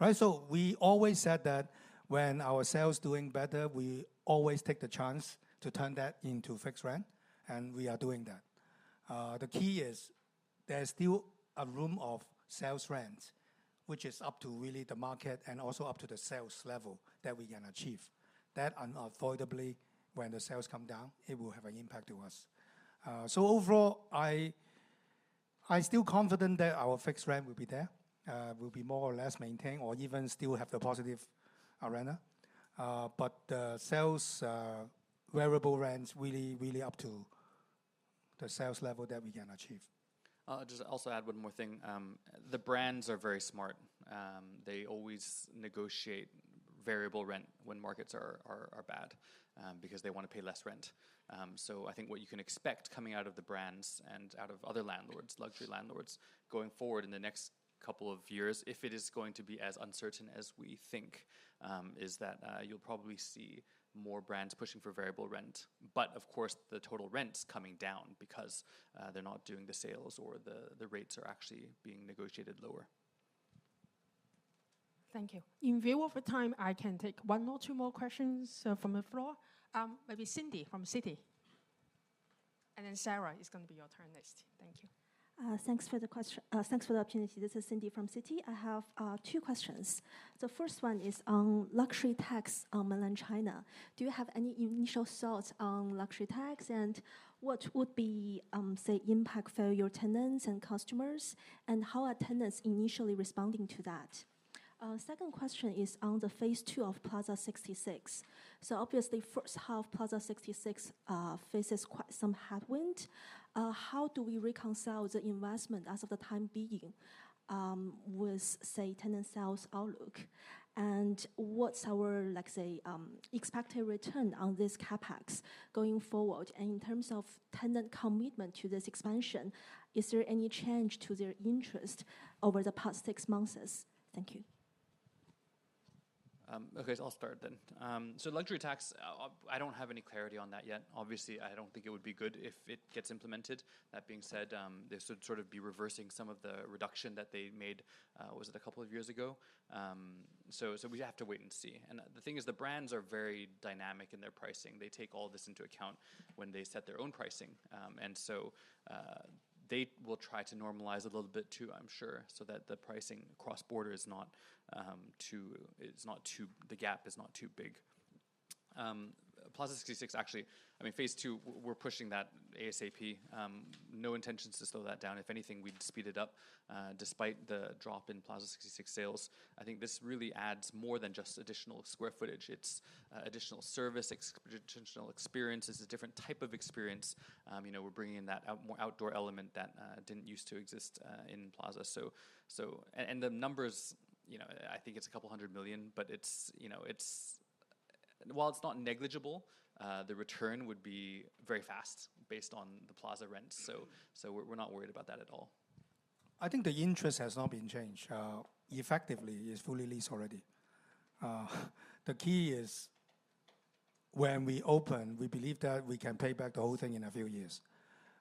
right? So we always said that when our sales doing better, we always take the chance to turn that into fixed rent, and we are doing that. The key is, there's still a room of sales rents, which is up to really the market and also up to the sales level that we can achieve. That unavoidably, when the sales come down, it will have an impact to us. So overall, I still confident that our fixed rent will be there, will be more or less maintained or even still have the positive rent. But the sales, variable rents really, really up to the sales level that we can achieve. Just also add one more thing. The brands are very smart. They always negotiate variable rent when markets are bad, because they want to pay less rent. So I think what you can expect coming out of the brands and out of other landlords, luxury landlords, going forward in the next couple of years, if it is going to be as uncertain as we think, is that you'll probably see more brands pushing for variable rent. But of course, the total rent's coming down because they're not doing the sales, or the rates are actually being negotiated lower. Thank you. In view of the time, I can take one or two more questions from the floor. Maybe Cindy from Citi. And then, Sarah, it's going to be your turn next. Thank you. Thanks for the opportunity. This is Cindy from Citi. I have two questions. The first one is on luxury tax on Mainland China. Do you have any initial thoughts on luxury tax, and what would be, say, impact for your tenants and customers? And how are tenants initially responding to that? Second question is on the phase two of Plaza 66. So obviously, first half, Plaza 66, faces quite some headwind. How do we reconcile the investment as of the time being, with, say, tenant sales outlook? And what's our, let's say, expected return on this CapEx going forward? And in terms of tenant commitment to this expansion, is there any change to their interest over the past six months? Thank you. Okay, so I'll start then. So luxury tax, I don't have any clarity on that yet. Obviously, I don't think it would be good if it gets implemented. That being said, this would sort of be reversing some of the reduction that they made, was it a couple of years ago? So we have to wait and see. And the thing is, the brands are very dynamic in their pricing. They take all this into account when they set their own pricing. And so, they will try to normalize a little bit too, I'm sure, so that the pricing cross-border is not too... It's not too-- the gap is not too big. Plaza 66 actually, I mean, phase two, we're pushing that ASAP. No intentions to slow that down. If anything, we'd speed it up, despite the drop in Plaza 66 sales. I think this really adds more than just additional square footage. It's, additional service, ex-additional experience. It's a different type of experience. You know, we're bringing in that out- more outdoor element that, didn't use to exist, in Plaza. So, so... And, and the numbers, you know, I think it's a couple hundred million, but it's, you know, it's... While it's not negligible, the return would be very fast based on the Plaza rents, so, so we're, we're not worried about that at all. I think the interest has not been changed. Effectively, it's fully leased already. The key is, when we open, we believe that we can pay back the whole thing in a few years.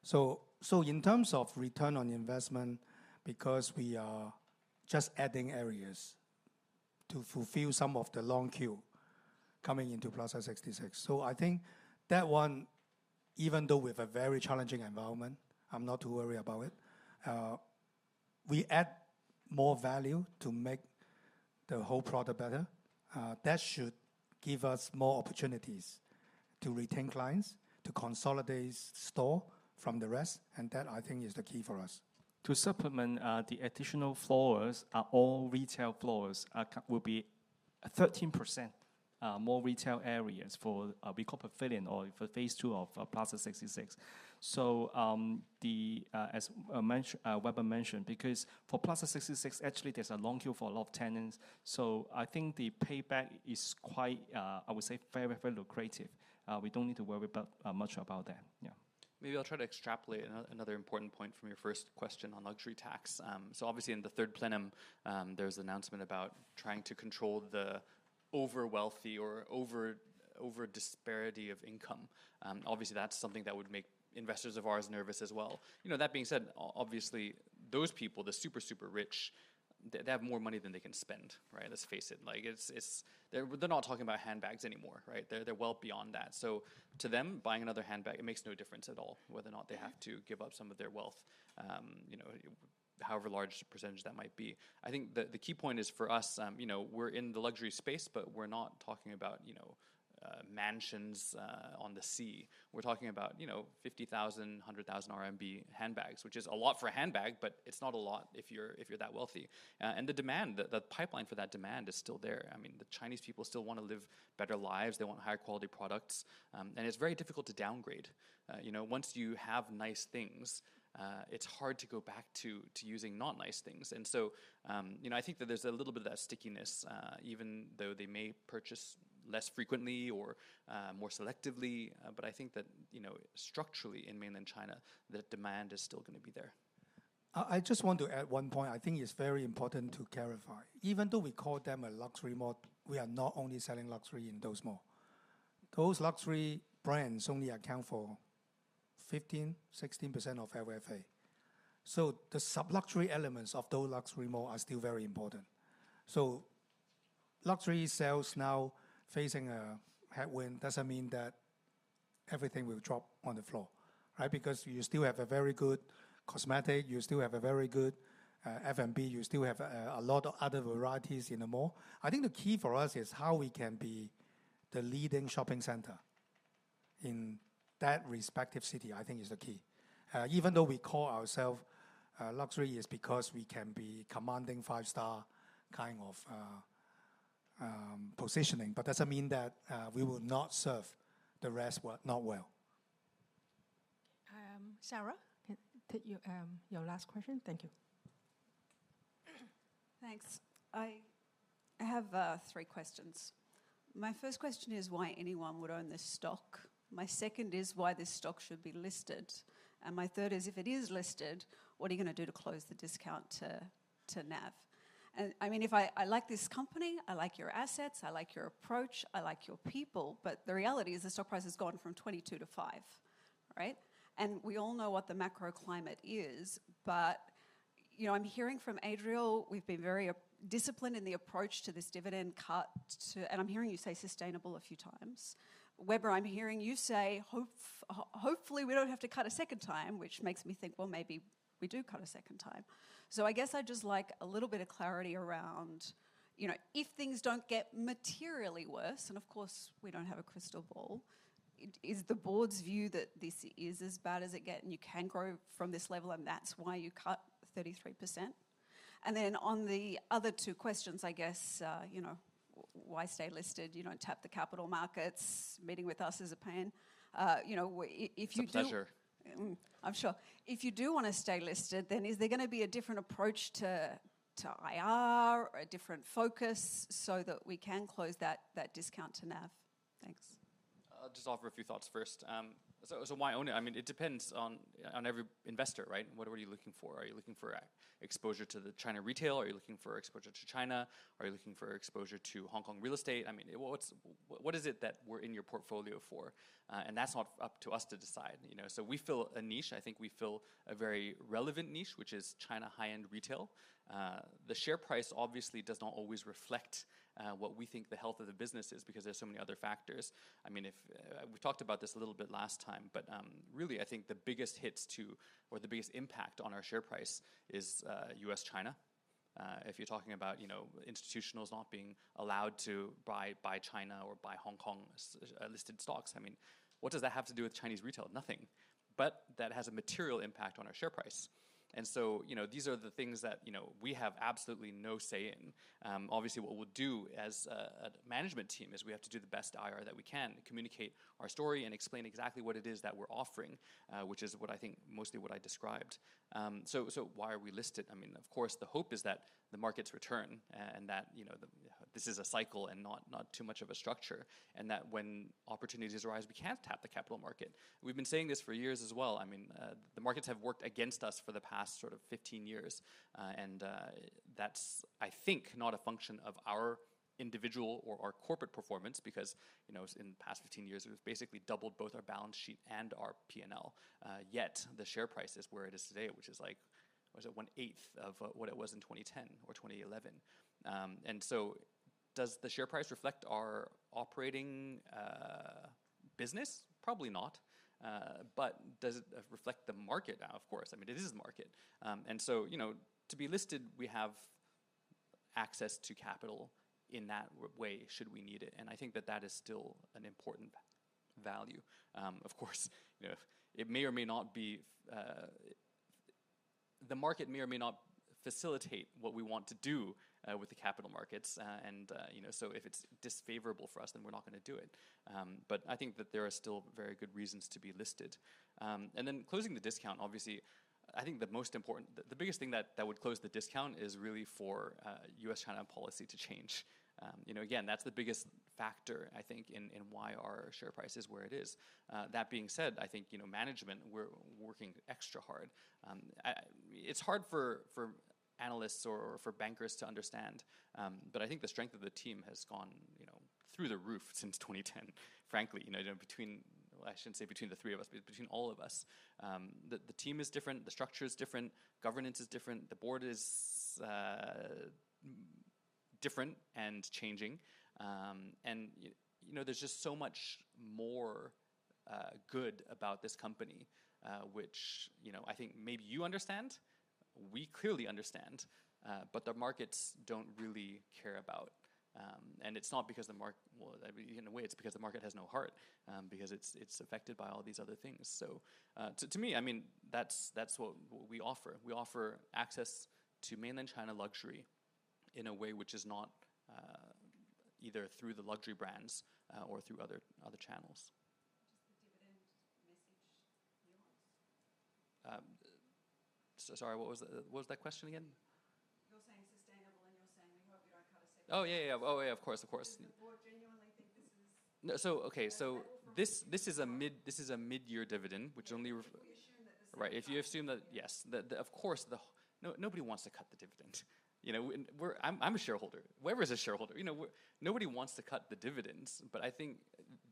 So, so in terms of return on investment, because we are just adding areas to fulfill some of the long queue coming into Plaza 66. So I think that one, even though we have a very challenging environment, I'm not too worried about it. We add more value to make the whole product better. That should give us more opportunities to retain clients, to consolidate store from the rest, and that, I think, is the key for us. To supplement, the additional floors are all retail floors. It will be 13% more retail areas for, we call Pavilion or for phase two of, Plaza 66. So, the, as, Weber mentioned, because for Plaza 66, actually, there's a long queue for a lot of tenants. So I think the payback is quite, I would say, very, very lucrative. We don't need to worry about much about that. Yeah. Maybe I'll try to extrapolate another important point from your first question on luxury tax. So obviously, in the Third Plenum, there was an announcement about trying to control the over-wealthy or over-disparity of income. Obviously, that's something that would make investors of ours nervous as well. You know, that being said, obviously, those people, the super, super rich, they, they have more money than they can spend, right? Let's face it, like, it's they're not talking about handbags anymore, right? They're well beyond that. So to them, buying another handbag, it makes no difference at all whether or not they have to give up some of their wealth, you know, however large a percentage that might be. I think the key point is for us, you know, we're in the luxury space, but we're not talking about, you know, mansions on the sea. We're talking about, you know, 50,000, 100,000 RMB handbags, which is a lot for a handbag, but it's not a lot if you're that wealthy. And the demand, the pipeline for that demand is still there. I mean, the Chinese people still wanna live better lives. They want higher quality products, and it's very difficult to downgrade. You know, once you have nice things, it's hard to go back to using not nice things. And so, you know, I think that there's a little bit of that stickiness, even though they may purchase less frequently or more selectively. I think that, you know, structurally in Mainland China, the demand is still gonna be there. I just want to add one point I think is very important to clarify. Even though we call them a luxury mall, we are not only selling luxury in those mall. Those luxury brands only account for 15%-16% of GFA. So the sub-luxury elements of those luxury mall are still very important. So luxury sales now facing a headwind doesn't mean that everything will drop on the floor, right? Because you still have a very good cosmetics, you still have a very good, F&B, you still have, a lot of other varieties in the mall. I think the key for us is how we can be the leading shopping center in that respective city, I think is the key. Even though we call ourselves luxury, is because we can be commanding five-star kind of positioning, but doesn't mean that we will not serve the rest well. Sarah, your last question. Thank you. Thanks. I have three questions. My first question is why anyone would own this stock? My second is why this stock should be listed? And my third is, if it is listed, what are you gonna do to close the discount to NAV? And I mean, if I... I like this company, I like your assets, I like your approach, I like your people, but the reality is the stock price has gone from 22 to 5, right? And we all know what the macro climate is, but, you know, I'm hearing from Adriel, we've been very disciplined in the approach to this dividend cut, and I'm hearing you say sustainable a few times. Weber, I'm hearing you say, hopefully, we don't have to cut a second time, which makes me think, well, maybe we do cut a second time. So I guess I'd just like a little bit of clarity around, you know, if things don't get materially worse, and of course, we don't have a crystal ball, is the board's view that this is as bad as it gets, and you can grow from this level, and that's why you cut 33%? And then on the other two questions, I guess, you know, why stay listed? You don't tap the capital markets. Meeting with us is a pain. You know, if you do- It's a pleasure. I'm sure. If you do wanna stay listed, then is there gonna be a different approach to IR or a different focus so that we can close that discount to NAV? Thanks. I'll just offer a few thoughts first. So why own it? I mean, it depends on every investor, right? What are you looking for? Are you looking for exposure to the China retail? Are you looking for exposure to China? Are you looking for exposure to Hong Kong real estate? I mean, what is it that we're in your portfolio for? And that's not up to us to decide, you know. So we fill a niche. I think we fill a very relevant niche, which is China high-end retail. The share price obviously does not always reflect what we think the health of the business is, because there's so many other factors. I mean, if, We talked about this a little bit last time, but really, I think the biggest hits to or the biggest impact on our share price is U.S., China. If you're talking about, you know, institutionals not being allowed to buy China or buy Hong Kong listed stocks, I mean, what does that have to do with Chinese retail? Nothing. But that has a material impact on our share price. And so, you know, these are the things that, you know, we have absolutely no say in. Obviously, what we'll do as a management team is we have to do the best IR that we can to communicate our story and explain exactly what it is that we're offering, which is what I think mostly what I described. So why are we listed? I mean, of course, the hope is that the markets return and that, you know, the, this is a cycle and not too much of a structure, and that when opportunities arise, we can tap the capital market. We've been saying this for years as well. I mean, the markets have worked against us for the past sort of 15 years, and, that's, I think, not a function of our individual or our corporate performance, because, you know, in the past 15 years, we've basically doubled both our balance sheet and our P&L. Yet, the share price is where it is today, which is like, what is it? One-eighth of, what it was in 2010 or 2011. Does the share price reflect our operating, business? Probably not. But does it reflect the market? Now, of course. I mean, it is the market. And so, you know, to be listed, we have access to capital in that way, should we need it, and I think that that is still an important value. Of course, you know, it may or may not be. The market may or may not facilitate what we want to do with the capital markets. And, you know, so if it's disfavorable for us, then we're not gonna do it. But I think that there are still very good reasons to be listed. And then closing the discount, obviously, I think the biggest thing that would close the discount is really for U.S.-China policy to change. You know, again, that's the biggest factor, I think, in why our share price is where it is. That being said, I think, you know, management, we're working extra hard. It's hard for analysts or bankers to understand, but I think the strength of the team has gone, you know, through the roof since 2010, frankly. You know, between... I shouldn't say between the three of us, but between all of us. The team is different, the structure is different, governance is different, the board is different and changing. And you know, there's just so much more good about this company, which, you know, I think maybe you understand, we clearly understand, but the markets don't really care about. And it's not because the mark- well, I mean, in a way, it's because the market has no heart, because it's affected by all these other things. So, to me, I mean, that's what we offer. We offer access to Mainland China luxury in a way which is not either through the luxury brands, or through other channels. Just the dividend message yours? Sorry, what was the, what was that question again? You're saying sustainable, and you're saying you hope you don't have to set- Oh, yeah, yeah. Oh, yeah, of course, of course. Does the board genuinely think this is- No. So, okay, so- I hope I- This is a mid-year dividend, which only- We assume that this- Right. If you assume that, yes, the. Of course, nobody wants to cut the dividend. You know, and we're. I'm a shareholder. Weber is a shareholder. You know, we're. Nobody wants to cut the dividends, but I think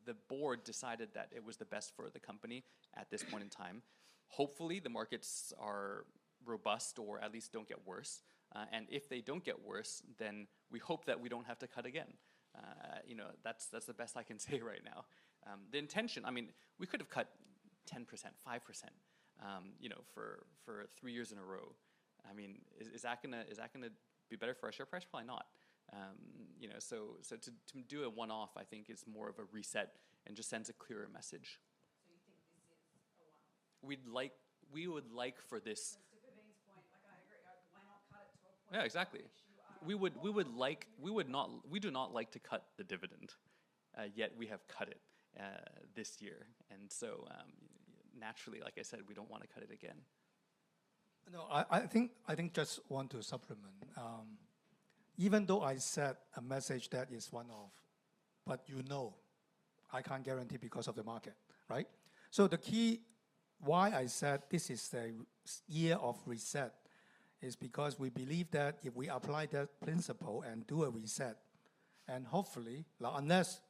the board decided that it was the best for the company at this point in time. Hopefully, the markets are robust or at least don't get worse, and if they don't get worse, then we hope that we don't have to cut again. You know, that's the best I can say right now. The intention. I mean, we could have cut 10%, 5%, you know, for 3 years in a row. I mean, is that gonna be better for our share price? Probably not. You know, so to do a one-off, I think is more of a reset and just sends a clearer message. So you think this is a one-off? We would like for this 'Cause to Kevin's point, like, I agree, why not cut it to a point- Yeah, exactly... issue? I- We do not like to cut the dividend this year, and so, naturally, like I said, we don't wanna cut it again. No, I think I just want to supplement. Even though I set a message that is one-off, but you know, I can't guarantee because of the market, right? So the key why I said this is a year of reset is because we believe that if we apply that principle and do a reset, and hopefully, unless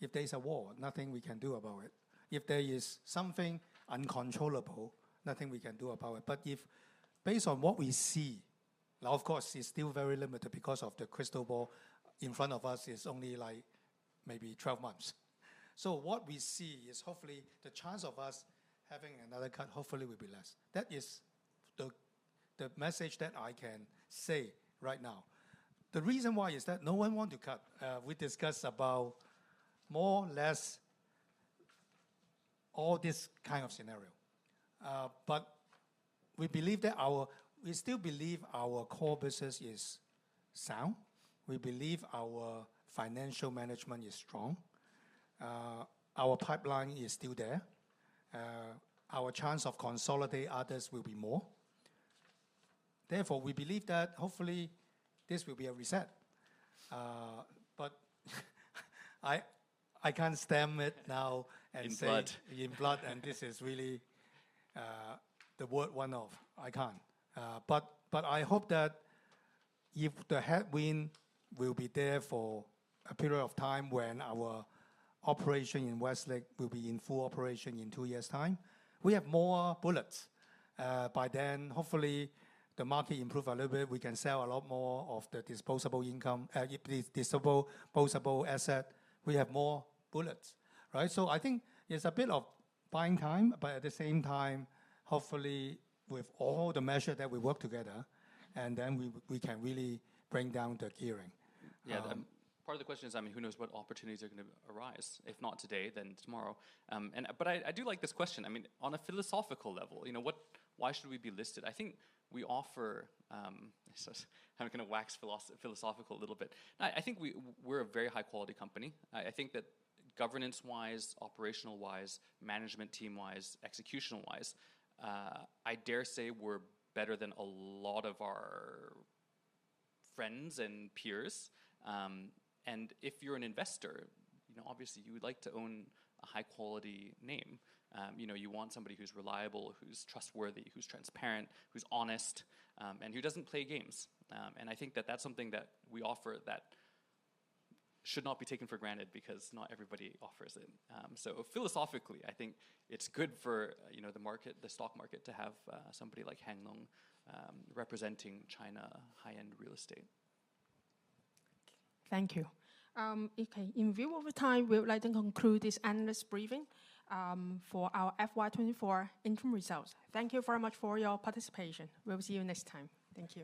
if there is a war, nothing we can do about it. If there is something uncontrollable, nothing we can do about it. But if based on what we see, now, of course, it's still very limited because the crystal ball in front of us is only, like, maybe 12 months. So what we see is, hopefully, the chance of us having another cut hopefully will be less. That is the message that I can say right now. The reason why is that no one want to cut. We discussed about more, less, all this kind of scenario. But we believe that we still believe our core business is sound. We believe our financial management is strong. Our pipeline is still there. Our chance of consolidate others will be more. Therefore, we believe that hopefully, this will be a reset. But I can't stamp it now and say- In blood In blood, and this is really the word one-off. I can't. But I hope that if the headwind will be there for a period of time when our operation in Westlake will be in full operation in two years' time, we have more bullets. By then, hopefully, the market improve a little bit. We can sell a lot more of the disposable income, disposable asset. We have more bullets, right? So I think it's a bit of buying time, but at the same time, hopefully, with all the measure that we work together, and then we can really bring down the gearing. Yeah. Part of the question is, I mean, who knows what opportunities are gonna arise, if not today, then tomorrow. But I do like this question. I mean, on a philosophical level, you know, what, why should we be listed? I think we offer, so I'm gonna wax philosophical a little bit. I think we're a very high-quality company. I think that governance-wise, operational-wise, management team-wise, executional-wise, I dare say we're better than a lot of our friends and peers. And if you're an investor, you know, obviously you would like to own a high-quality name. You know, you want somebody who's reliable, who's trustworthy, who's transparent, who's honest, and who doesn't play games. And I think that that's something that we offer that should not be taken for granted, because not everybody offers it. So philosophically, I think it's good for, you know, the market, the stock market, to have somebody like Hang Lung representing China high-end real estate. Thank you. Okay, in view of the time, we would like to conclude this analyst briefing, for our FY 2024 interim results. Thank you very much for your participation. We will see you next time. Thank you.